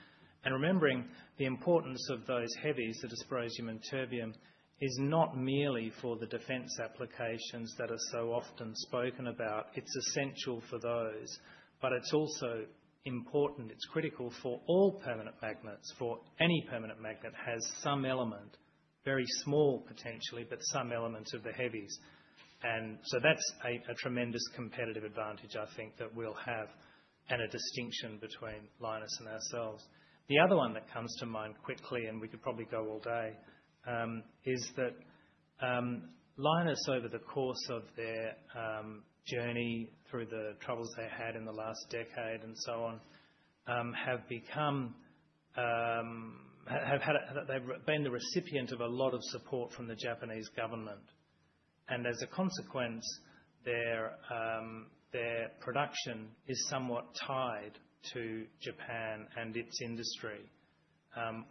Remembering the importance of those heavies, the dysprosium and terbium, is not merely for the defense applications that are so often spoken about. It is essential for those, but it is also important. It is critical for all permanent magnets, for any permanent magnet has some element, very small potentially, but some elements of the heavies. That is a tremendous competitive advantage, I think, that we will have and a distinction between Lynas and ourselves. The other one that comes to mind quickly, and we could probably go all day, is that Lynas, over the course of their journey through the troubles they had in the last decade and so on, have become—they have been the recipient of a lot of support from the Japanese government. As a consequence, their production is somewhat tied to Japan and its industry.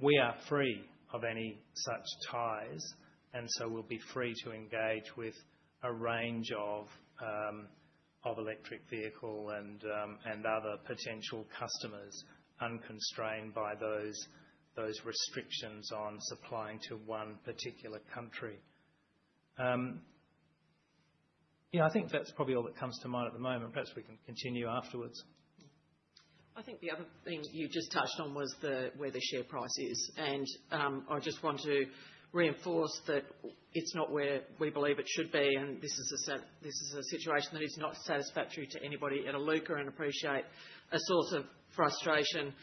We are free of any such ties, and so we'll be free to engage with a range of electric vehicles and other potential customers unconstrained by those restrictions on supplying to one particular country. I think that's probably all that comes to mind at the moment. Perhaps we can continue afterwards. I think the other thing you just touched on was where the share price is. I just want to reinforce that it's not where we believe it should be, and this is a situation that is not satisfactory to anybody at Iluka and appreciate a source of frustration.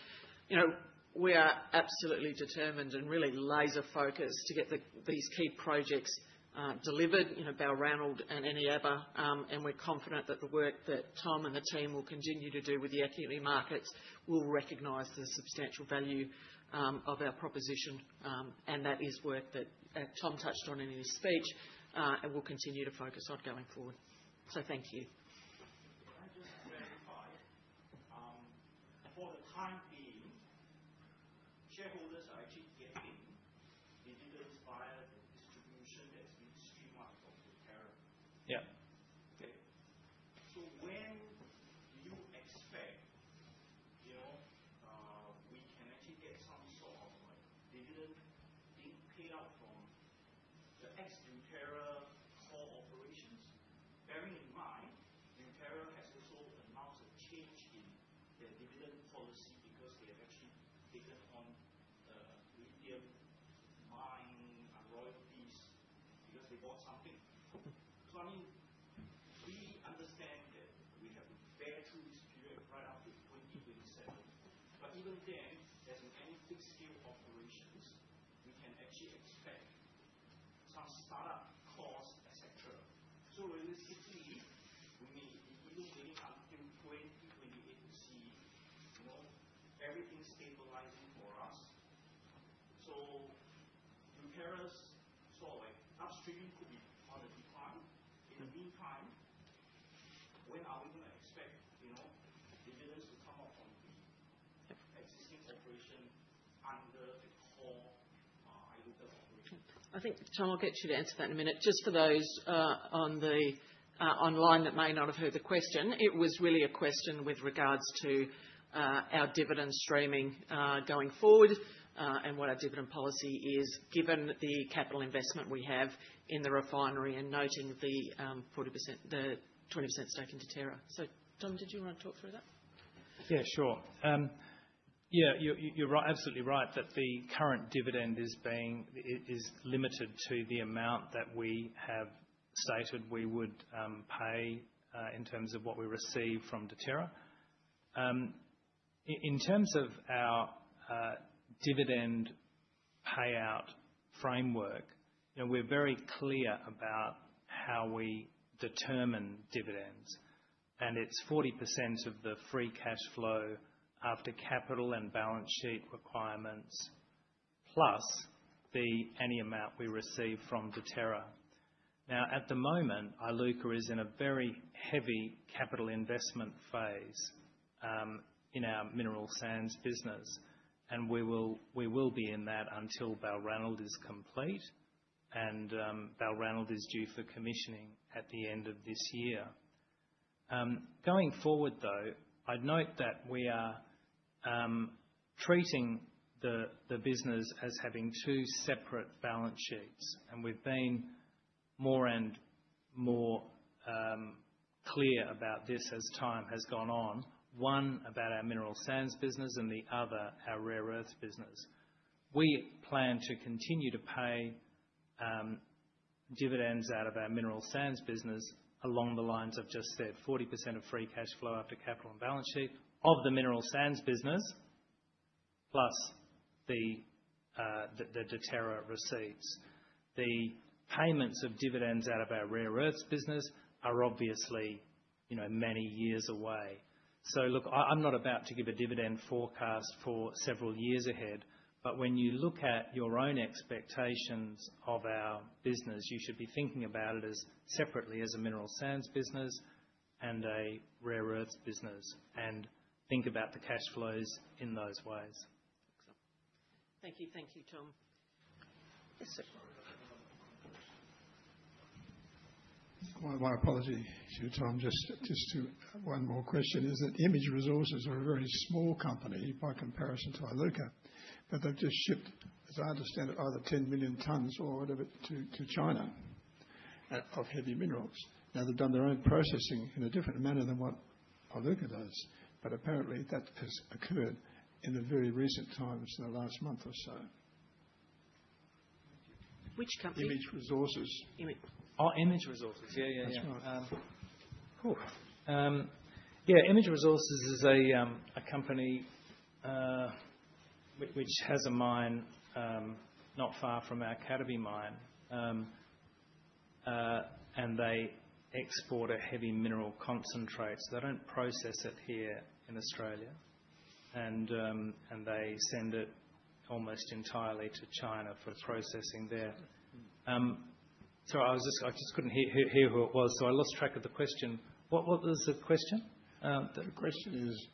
We are absolutely determined and really laser-focused to get these key projects delivered, Balranald and Eneabba, and we're confident that the work that Tom and the team will continue to do with the equity markets will recognize the substantial value of our proposition. That is work that Tom touched on in his speech, and we'll continue to focus on going forward. Thank you. Can I just clarify? For the time I think Tom will get you to answer that in a minute. Just for those online that may not have heard the question, it was really a question with regards to our dividend streaming going forward and what our dividend policy is given the capital investment we have in the refinery and noting the 20% stake in Deterra. So Tom, did you want to talk through that? Yeah, sure. Yeah, you're absolutely right that the current dividend is limited to the amount that we have stated we would pay in terms of what we receive from Deterra. In terms of our dividend payout framework, we're very clear about how we determine dividends. It's 40% of the free cash flow after capital and balance sheet requirements, plus any amount we receive from Deterra. Now, at the moment, Iluka is in a very heavy capital investment phase in our mineral sands business, and we will be in that until Balranald is complete, and Balranald is due for commissioning at the end of this year. Going forward, though, I'd note that we are treating the business as having two separate balance sheets, and we've been more and more clear about this as time has gone on, one about our mineral sands business and the other our rare earths business. We plan to continue to pay dividends out of our mineral sands business along the lines of just said 40% of free cash flow after capital and balance sheet of the mineral sands business, plus the Deterra receipts. The payments of dividends out of our rare earths business are obviously many years away. I'm not about to give a dividend forecast for several years ahead, but when you look at your own expectations of our business, you should be thinking about it separately as a mineral sands business and a rare earths business and think about the cash flows in those ways. Thank you. Thank you, Tom. My apology, Tom, just one more question. Is that Image Resources are a very small company by comparison to Iluka, but they've just shipped, as I understand it, either 10 million tons or whatever to China of heavy minerals. Now, they've done their own processing in a different manner than what Iluka does, but apparently that has occurred in the very recent times in the last month or so. Which company? Image Resources. Oh, Image Resources. Yeah, yeah, yeah. That's right. Cool. Yeah, Image Resources is a company which has a mine not far from our Capel mine, and they export a heavy mineral concentrate. They do not process it here in Australia, and they send it almost entirely to China for processing there. Sorry, I just could not hear who it was, so I lost track of the question. What was the question? The question is,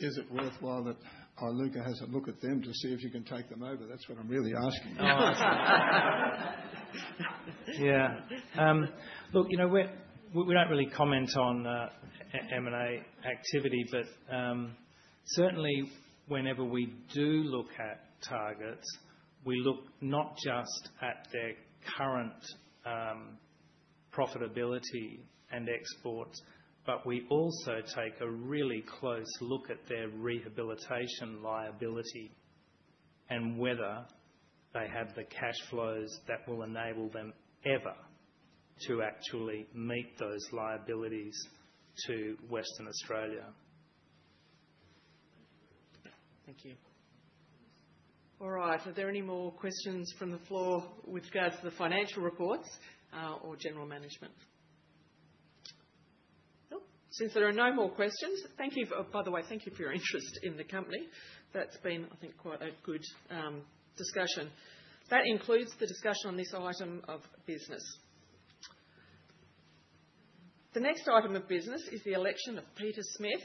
is it worthwhile that Iluka has a look at them to see if you can take them over? That's what I'm really asking. Yeah. Look, we don't really comment on M&A activity, but certainly whenever we do look at targets, we look not just at their current profitability and exports, but we also take a really close look at their rehabilitation liability and whether they have the cash flows that will enable them ever to actually meet those liabilities to Western Australia. Thank you. All right. Are there any more questions from the floor with regards to the financial reports or general management? Nope. Since there are no more questions, by the way, thank you for your interest in the company. That's been, I think, quite a good discussion. That includes the discussion on this item of business. The next item of business is the election of Peter Smith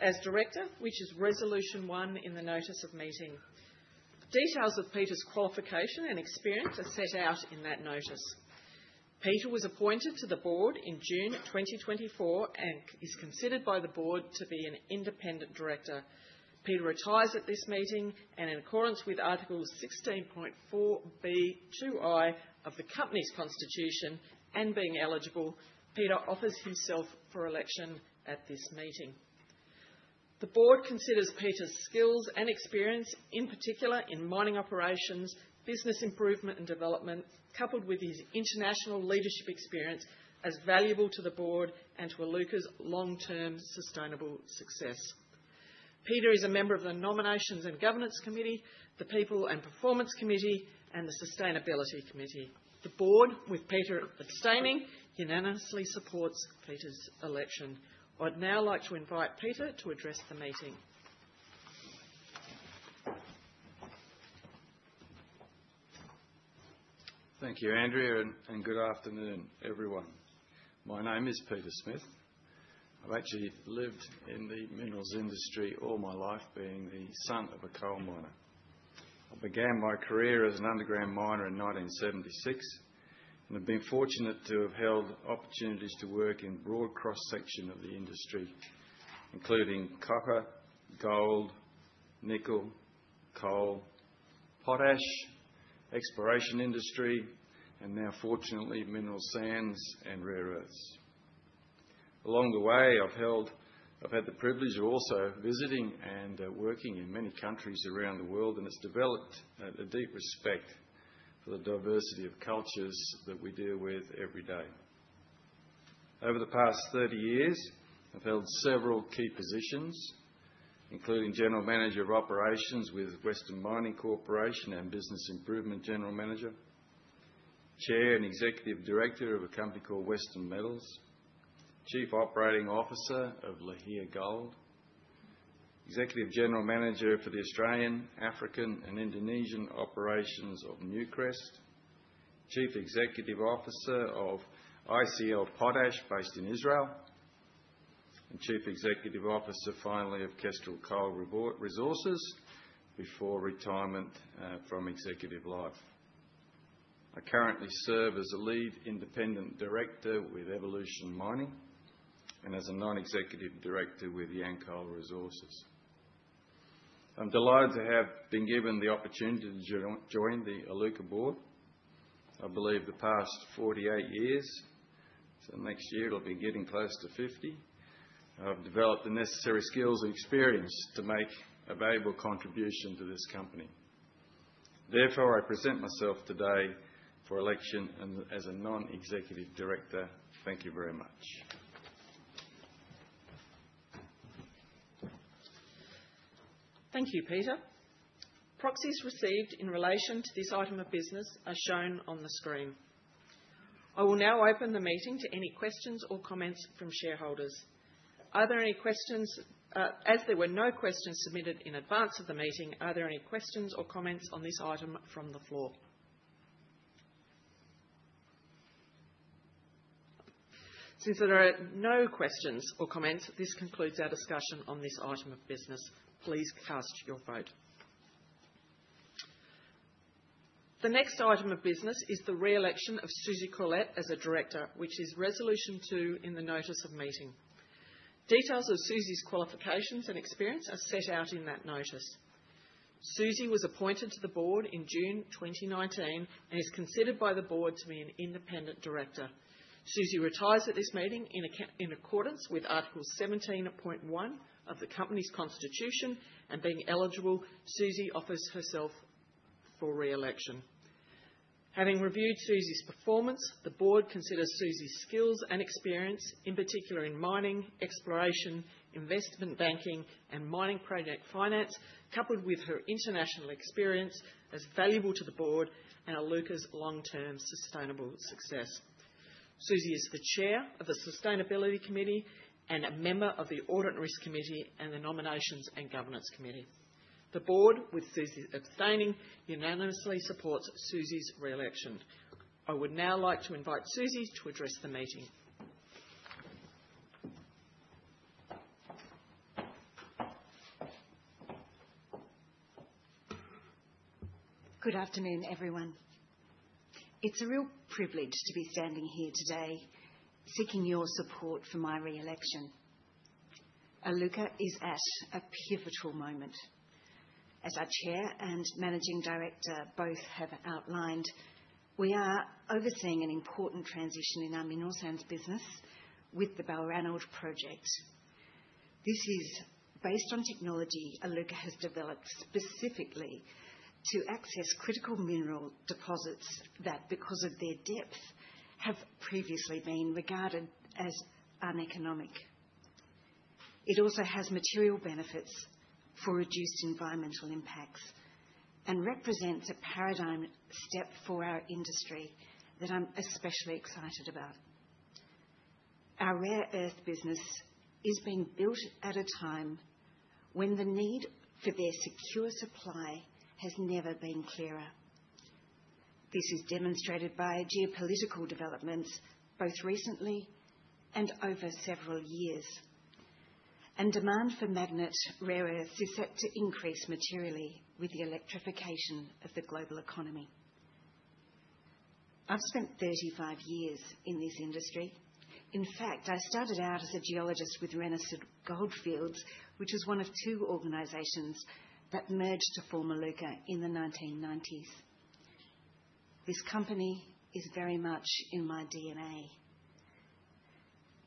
as director, which is resolution one in the notice of meeting. Details of Peter's qualification and experience are set out in that notice. Peter was appointed to the board in June 2024 and is considered by the board to be an independent director. Peter retires at this meeting, and in accordance with Article 16.4 (b)(2)(i) of the company's constitution and being eligible, Peter offers himself for election at this meeting. The board considers Peter's skills and experience, in particular in mining operations, business improvement, and development, coupled with his international leadership experience, as valuable to the board and to Iluka's long-term sustainable success. Peter is a member of the Nomination and Governance Committee, the People and Performance Committee, and the Sustainability Committee. The board, with Peter abstaining, unanimously supports Peter's election. I'd now like to invite Peter to address the meeting. Thank you, Andrea, and good afternoon, everyone. My name is Peter Smith. I've actually lived in the minerals industry all my life, being the son of a coal miner. I began my career as an underground miner in 1976 and have been fortunate to have held opportunities to work in a broad cross-section of the industry, including copper, gold, nickel, coal, potash, exploration industry, and now, fortunately, mineral sands and rare earths. Along the way, I've had the privilege of also visiting and working in many countries around the world, and it's developed a deep respect for the diversity of cultures that we deal with every day. Over the past 30 years, I've held several key positions, including General Manager of Operations with Western Mining Corporation and Business Improvement General Manager, Chair and Executive Director of a company called Western Metals, Chief Operating Officer of Lihir Gold, Executive General Manager for the Australian, African, and Indonesian operations of Newcrest, Chief Executive Officer of ICL Potash based in Israel, and Chief Executive Officer, finally, of Kestrel Coal Resources before retirement from executive life. I currently serve as a lead independent director with Evolution Mining and as a non-executive director with Yancoal Resources. I'm delighted to have been given the opportunity to join the Iluka board. I believe the past 48 years, so next year it'll be getting close to 50, I've developed the necessary skills and experience to make a valuable contribution to this company. Therefore, I present myself today for election as a non-executive director. Thank you very much. Thank you, Peter. Proxies received in relation to this item of business are shown on the screen. I will now open the meeting to any questions or comments from shareholders. Are there any questions? As there were no questions submitted in advance of the meeting, are there any questions or comments on this item from the floor? Since there are no questions or comments, this concludes our discussion on this item of business. Please cast your vote. The next item of business is the re-election of Susie Corlett as a director, which is resolution two in the notice of meeting. Details of Susie's qualifications and experience are set out in that notice. Susie was appointed to the board in June 2019 and is considered by the board to be an independent director. Susie retires at this meeting in accordance with Article 17.1 of the company's constitution, and being eligible, Susie offers herself for re-election. Having reviewed Susie's performance, the board considers Susie's skills and experience, in particular in mining, exploration, investment banking, and mining project finance, coupled with her international experience, as valuable to the board and Iluka's long-term sustainable success. Susie is the chair of the Sustainability Committee and a member of the Audit Risk Committee and the Nomination and Governance Committee. The board, with Susie abstaining, unanimously supports Susie's re-election. I would now like to invite Susie to address the meeting. Good afternoon, everyone. It's a real privilege to be standing here today seeking your support for my re-election. Iluka is at a pivotal moment. As our Chair and Managing Director both have outlined, we are overseeing an important transition in our mineral sands business with the Balranald project. This is based on technology Iluka has developed specifically to access critical mineral deposits that, because of their depth, have previously been regarded as uneconomic. It also has material benefits for reduced environmental impacts and represents a paradigm step for our industry that I'm especially excited about. Our rare earth business is being built at a time when the need for their secure supply has never been clearer. This is demonstrated by geopolitical developments both recently and over several years, and demand for magnet rare earths is set to increase materially with the electrification of the global economy. I've spent 35 years in this industry. In fact, I started out as a geologist with Renison Goldfields, which was one of two organizations that merged to form Iluka in the 1990s. This company is very much in my DNA.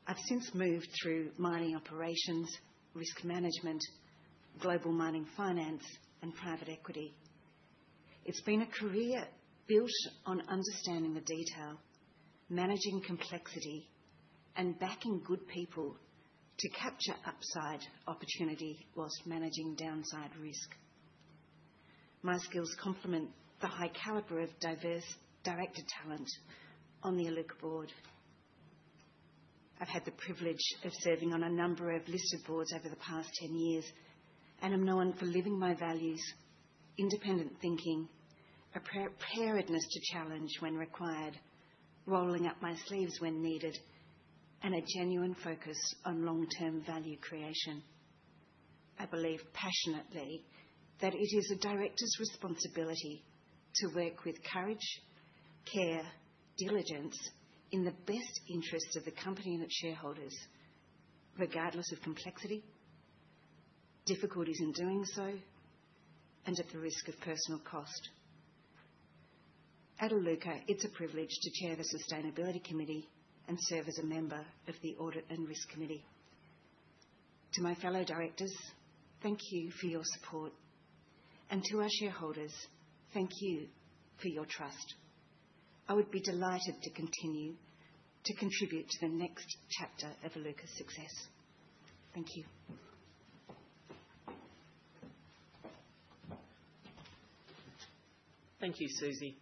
I've since moved through mining operations, risk management, global mining finance, and private equity. It's been a career built on understanding the detail, managing complexity, and backing good people to capture upside opportunity whilst managing downside risk. My skills complement the high caliber of diverse director talent on the Iluka board. I've had the privilege of serving on a number of listed boards over the past 10 years and am known for living my values, independent thinking, a preparedness to challenge when required, rolling up my sleeves when needed, and a genuine focus on long-term value creation. I believe passionately that it is a director's responsibility to work with courage, care, diligence in the best interest of the company and its shareholders, regardless of complexity, difficulties in doing so, and at the risk of personal cost. At Iluka, it's a privilege to chair the Sustainability Committee and serve as a member of the Audit and Risk Committee. To my fellow directors, thank you for your support, and to our shareholders, thank you for your trust. I would be delighted to continue to contribute to the next chapter of Iluka's success. Thank you. Thank you, Susie.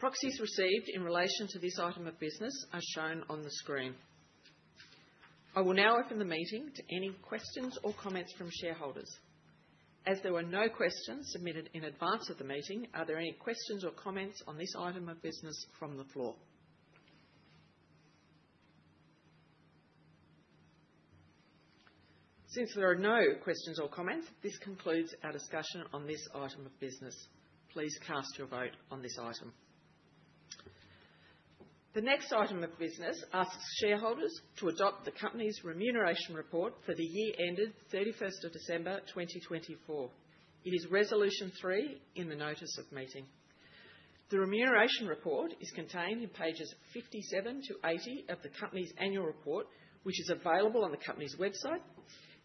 Proxies received in relation to this item of business are shown on the screen. I will now open the meeting to any questions or comments from shareholders. As there were no questions submitted in advance of the meeting, are there any questions or comments on this item of business from the floor? Since there are no questions or comments, this concludes our discussion on this item of business. Please cast your vote on this item. The next item of business asks shareholders to adopt the company's remuneration report for the year ended 31st of December 2024. It is resolution three in the notice of meeting. The remuneration report is contained in pages 57-80 of the company's annual report, which is available on the company's website.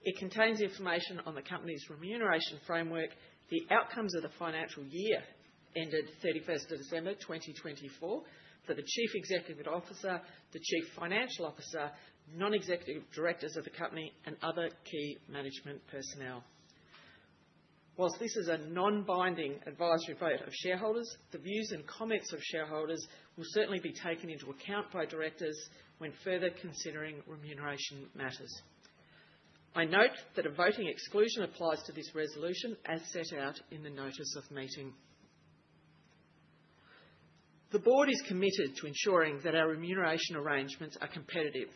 It contains information on the company's remuneration framework, the outcomes of the financial year ended 31st of December 2024 for the Chief Executive Officer, the Chief Financial Officer, non-executive directors of the company, and other key management personnel. Whilst this is a non-binding advisory vote of shareholders, the views and comments of shareholders will certainly be taken into account by directors when further considering remuneration matters. I note that a voting exclusion applies to this resolution as set out in the notice of meeting. The board is committed to ensuring that our remuneration arrangements are competitive,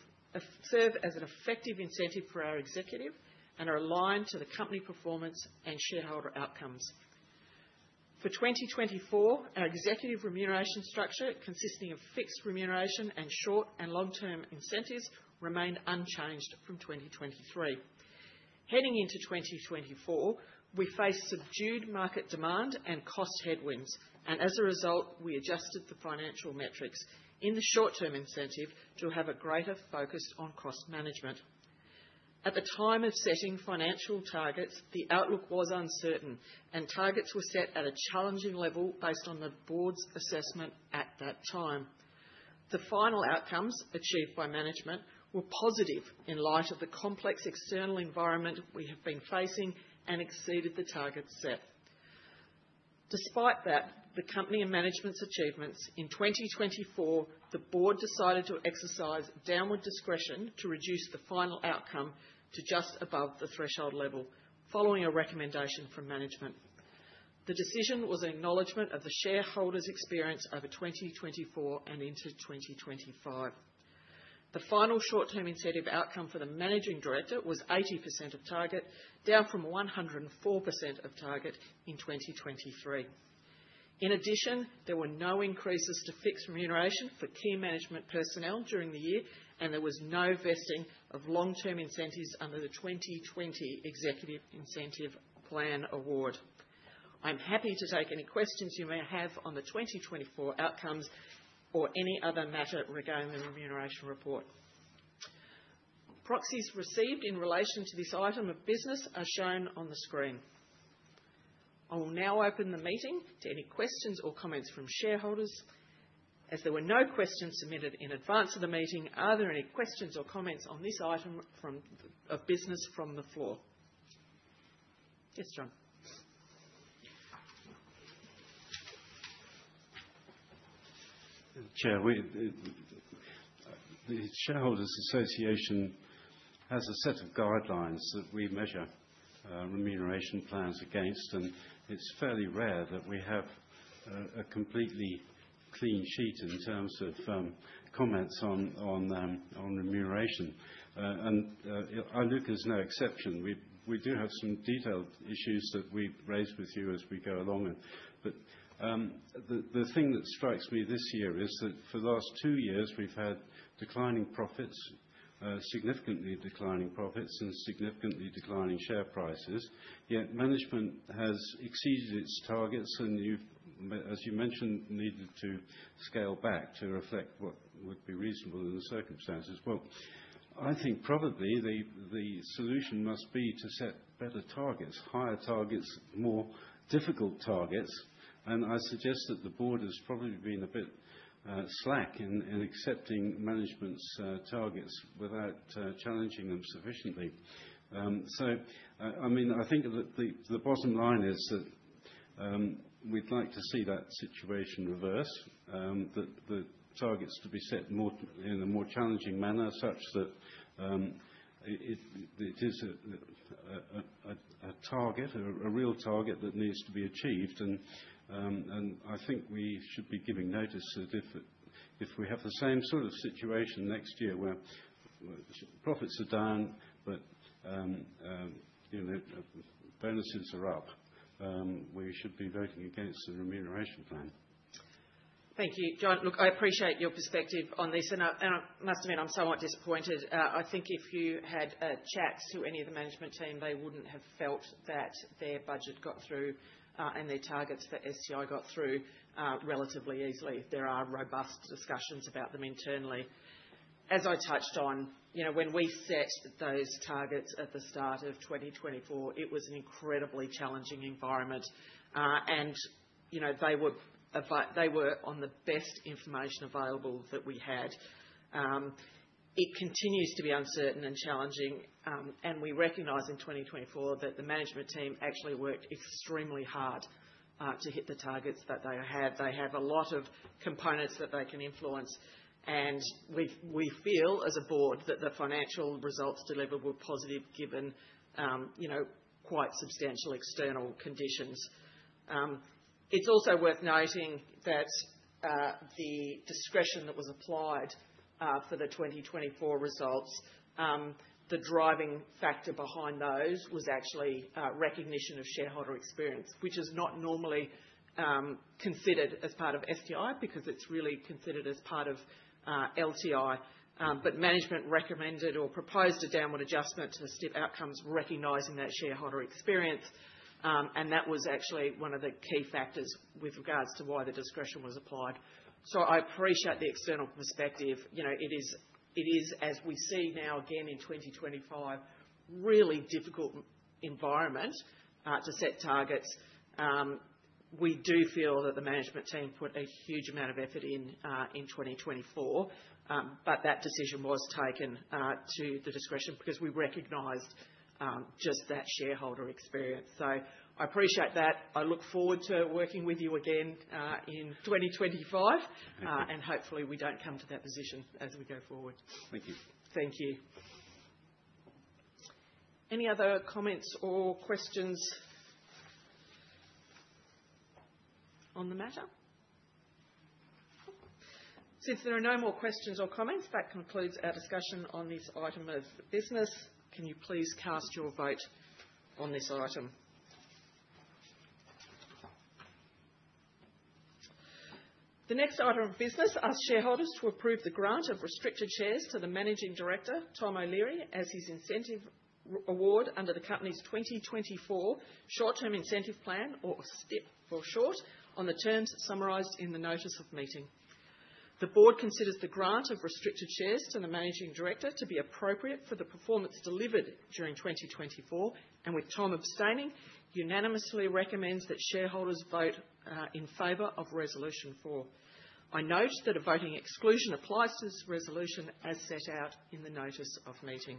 serve as an effective incentive for our executive, and are aligned to the company performance and shareholder outcomes. For 2024, our executive remuneration structure, consisting of fixed remuneration and short and long-term incentives, remained unchanged from 2023. Heading into 2024, we faced subdued market demand and cost headwinds, and as a result, we adjusted the financial metrics. In the short-term incentive, we'll have a greater focus on cost management. At the time of setting financial targets, the outlook was uncertain, and targets were set at a challenging level based on the board's assessment at that time. The final outcomes achieved by management were positive in light of the complex external environment we have been facing and exceeded the targets set. Despite that, the company and management's achievements, in 2024, the board decided to exercise downward discretion to reduce the final outcome to just above the threshold level following a recommendation from management. The decision was an acknowledgment of the shareholders' experience over 2024 and into 2025. The final short-term incentive outcome for the managing director was 80% of target, down from 104% of target in 2023. In addition, there were no increases to fixed remuneration for key management personnel during the year, and there was no vesting of long-term incentives under the 2020 executive incentive plan award. I'm happy to take any questions you may have on the 2024 outcomes or any other matter regarding the remuneration report. Proxies received in relation to this item of business are shown on the screen. I will now open the meeting to any questions or comments from shareholders. As there were no questions submitted in advance of the meeting, are there any questions or comments on this item of business from the floor? Yes, John. Chair, the Shareholders Association has a set of guidelines that we measure remuneration plans against, and it is fairly rare that we have a completely clean sheet in terms of comments on remuneration. Iluka is no exception. We do have some detailed issues that we have raised with you as we go along. The thing that strikes me this year is that for the last two years, we have had declining profits, significantly declining profits, and significantly declining share prices. Yet management has exceeded its targets and, as you mentioned, needed to scale back to reflect what would be reasonable in the circumstances. I think probably the solution must be to set better targets, higher targets, more difficult targets. I suggest that the board has probably been a bit slack in accepting management's targets without challenging them sufficiently. I mean, I think the bottom line is that we'd like to see that situation reverse, that the targets to be set in a more challenging manner such that it is a target, a real target that needs to be achieved. I think we should be giving notice that if we have the same sort of situation next year where profits are down but bonuses are up, we should be voting against the remuneration plan. Thank you. John, look, I appreciate your perspective on this. I must admit, I'm somewhat disappointed. I think if you had a chat to any of the management team, they wouldn't have felt that their budget got through and their targets for STI got through relatively easily. There are robust discussions about them internally. As I touched on, when we set those targets at the start of 2024, it was an incredibly challenging environment, and they were on the best information available that we had. It continues to be uncertain and challenging, and we recognize in 2024 that the management team actually worked extremely hard to hit the targets that they had. They have a lot of components that they can influence, and we feel as a board that the financial results delivered were positive given quite substantial external conditions. It's also worth noting that the discretion that was applied for the 2024 results, the driving factor behind those was actually recognition of shareholder experience, which is not normally considered as part of STI because it's really considered as part of LTI. Management recommended or proposed a downward adjustment to the STIP outcomes, recognizing that shareholder experience, and that was actually one of the key factors with regards to why the discretion was applied. I appreciate the external perspective. It is, as we see now again in 2025, a really difficult environment to set targets. We do feel that the management team put a huge amount of effort in 2024, but that decision was taken to the discretion because we recognized just that shareholder experience. I appreciate that. I look forward to working with you again in 2025, and hopefully we do not come to that position as we go forward. Thank you. Thank you. Any other comments or questions on the matter? Since there are no more questions or comments, that concludes our discussion on this item of business. Can you please cast your vote on this item? The next item of business asks shareholders to approve the grant of restricted shares to the Managing Director, Tom O'Leary, as his incentive award under the company's 2024 short-term incentive plan, or STIP for short, on the terms summarized in the notice of meeting. The Board considers the grant of restricted shares to the Managing Director to be appropriate for the performance delivered during 2024, and with Tom abstaining, unanimously recommends that shareholders vote in favor of resolution four. I note that a voting exclusion applies to this resolution as set out in the notice of meeting.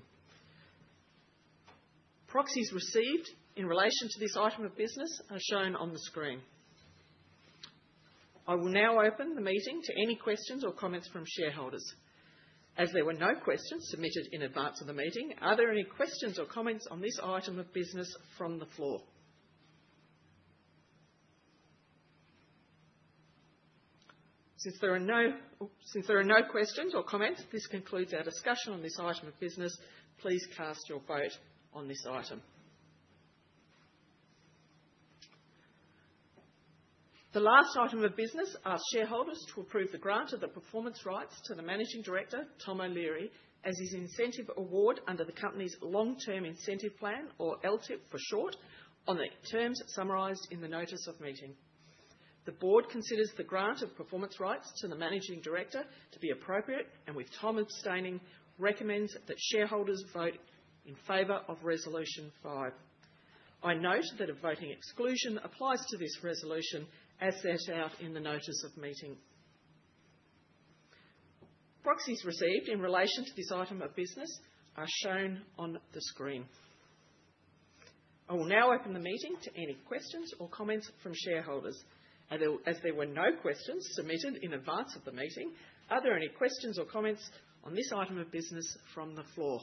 Proxies received in relation to this item of business are shown on the screen. I will now open the meeting to any questions or comments from shareholders. As there were no questions submitted in advance of the meeting, are there any questions or comments on this item of business from the floor? Since there are no questions or comments, this concludes our discussion on this item of business. Please cast your vote on this item. The last item of business asks shareholders to approve the grant of the performance rights to the Managing Director, Tom O'Leary, as his incentive award under the company's long-term incentive plan, or LTIP for short, on the terms summarized in the notice of meeting. The board considers the grant of performance rights to the Managing Director to be appropriate, and with Tom abstaining, recommends that shareholders vote in favor of resolution five. I note that a voting exclusion applies to this resolution as set out in the notice of meeting. Proxies received in relation to this item of business are shown on the screen. I will now open the meeting to any questions or comments from shareholders. As there were no questions submitted in advance of the meeting, are there any questions or comments on this item of business from the floor?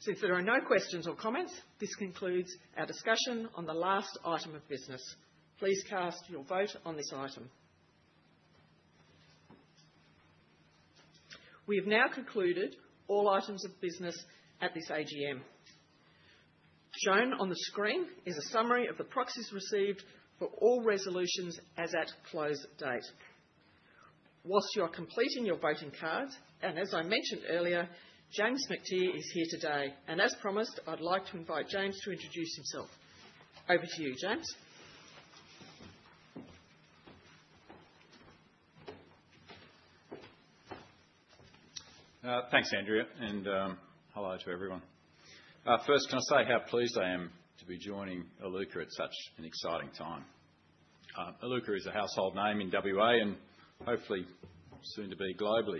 Since there are no questions or comments, this concludes our discussion on the last item of business. Please cast your vote on this item. We have now concluded all items of business at this AGM. Shown on the screen is a summary of the proxies received for all resolutions as at close date. Whilst you are completing your voting cards, and as I mentioned earlier, James Mactier is here today. As promised, I'd like to invite James to introduce himself. Over to you, James. Thanks, Andrea, and hello to everyone. First, can I say how pleased I am to be joining Iluka at such an exciting time? Iluka is a household name in WA and hopefully soon to be globally.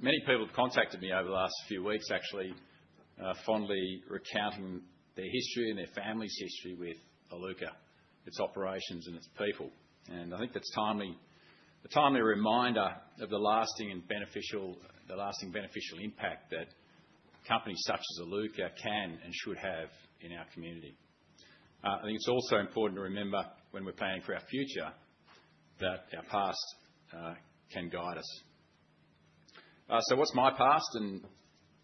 Many people have contacted me over the last few weeks, actually, fondly recounting their history and their family's history with Iluka, its operations and its people. I think that's a timely reminder of the lasting and beneficial impact that companies such as Iluka can and should have in our community. I think it's also important to remember when we're planning for our future that our past can guide us. What's my past and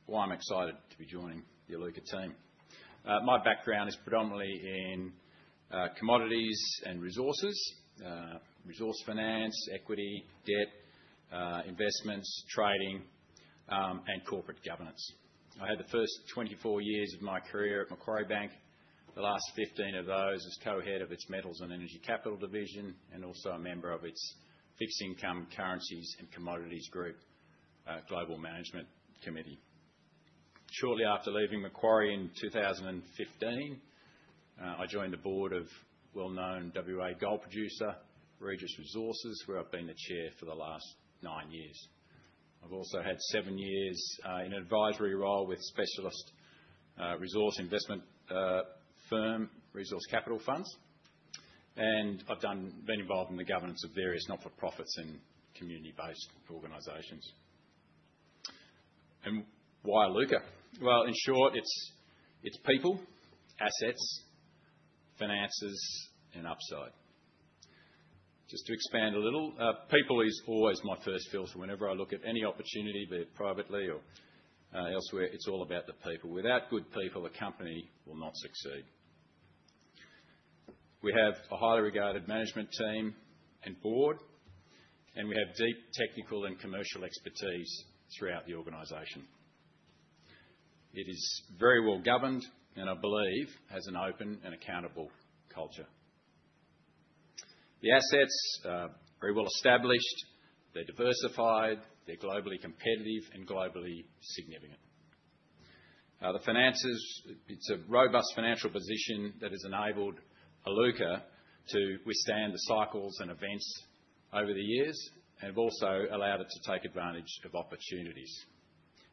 why I'm excited to be joining the Iluka team? My background is predominantly in commodities and resources, resource finance, equity, debt, investments, trading, and corporate governance. I had the first 24 years of my career at Macquarie Bank. The last 15 of those as co-head of its metals and energy capital division and also a member of its fixed income currencies and commodities group, Global Management Committee. Shortly after leaving Macquarie in 2015, I joined the board of well-known WA gold producer, Regis Resources, where I've been the chair for the last nine years. I've also had seven years in an advisory role with a specialist resource investment firm, Resource Capital Funds, and I've been involved in the governance of various not-for-profits and community-based organizations. Why Iluka? In short, it's people, assets, finances, and upside. Just to expand a little, people is always my first filter. Whenever I look at any opportunity, be it privately or elsewhere, it's all about the people. Without good people, a company will not succeed. We have a highly regarded management team and board, and we have deep technical and commercial expertise throughout the organization. It is very well governed, and I believe, has an open and accountable culture. The assets are very well established. They're diversified. They're globally competitive and globally significant. The finances, it's a robust financial position that has enabled Iluka to withstand the cycles and events over the years and have also allowed it to take advantage of opportunities.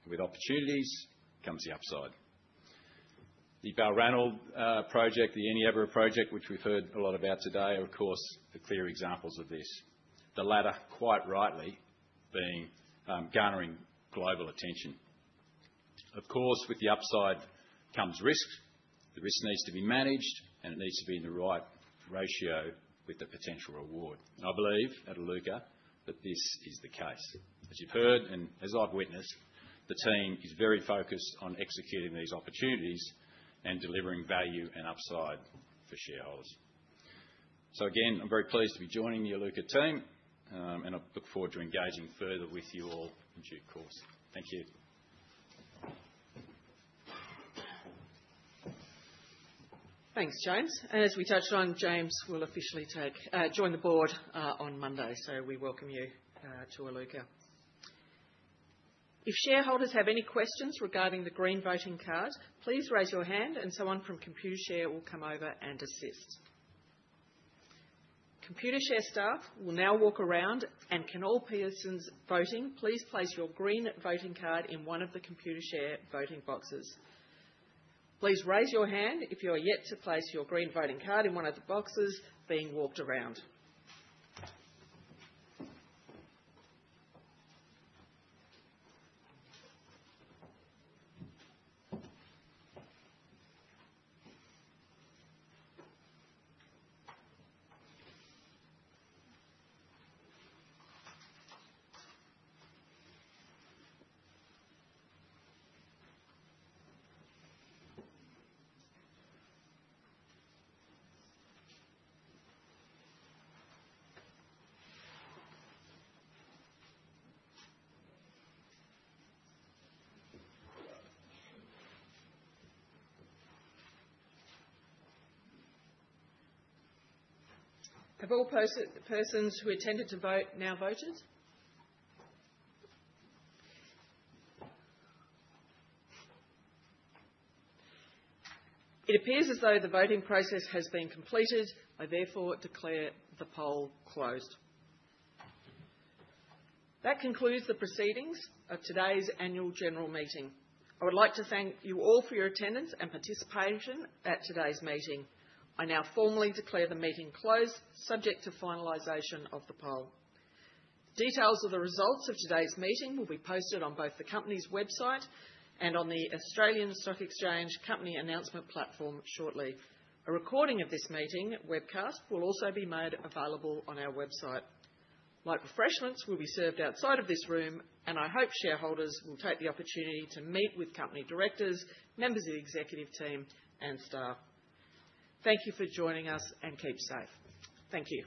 With opportunities comes the upside. The Balranald project, the Eneabba project, which we've heard a lot about today, are of course the clear examples of this. The latter, quite rightly, being garnering global attention. Of course, with the upside comes risk. The risk needs to be managed, and it needs to be in the right ratio with the potential reward. I believe at Iluka that this is the case. As you've heard and as I've witnessed, the team is very focused on executing these opportunities and delivering value and upside for shareholders. I am very pleased to be joining the Iluka team, and I look forward to engaging further with you all in due course. Thank you. Thanks, James. As we touched on, James will officially join the board on Monday, so we welcome you to Iluka. If shareholders have any questions regarding the green voting card, please raise your hand, and someone from Computershare will come over and assist. Computershare staff will now walk around, and can all persons voting please place your green voting card in one of the Computershare voting boxes. Please raise your hand if you are yet to place your green voting card in one of the boxes being walked around. Have all persons who intended to vote now voted? It appears as though the voting process has been completed. I therefore declare the poll closed. That concludes the proceedings of today's annual general meeting. I would like to thank you all for your attendance and participation at today's meeting. I now formally declare the meeting closed, subject to finalization of the poll. Details of the results of today's meeting will be posted on both the company's website and on the Australian Securities Exchange company announcement platform shortly. A recording of this meeting webcast will also be made available on our website. Light refreshments will be served outside of this room, and I hope shareholders will take the opportunity to meet with company directors, members of the executive team, and staff. Thank you for joining us and keep safe. Thank you.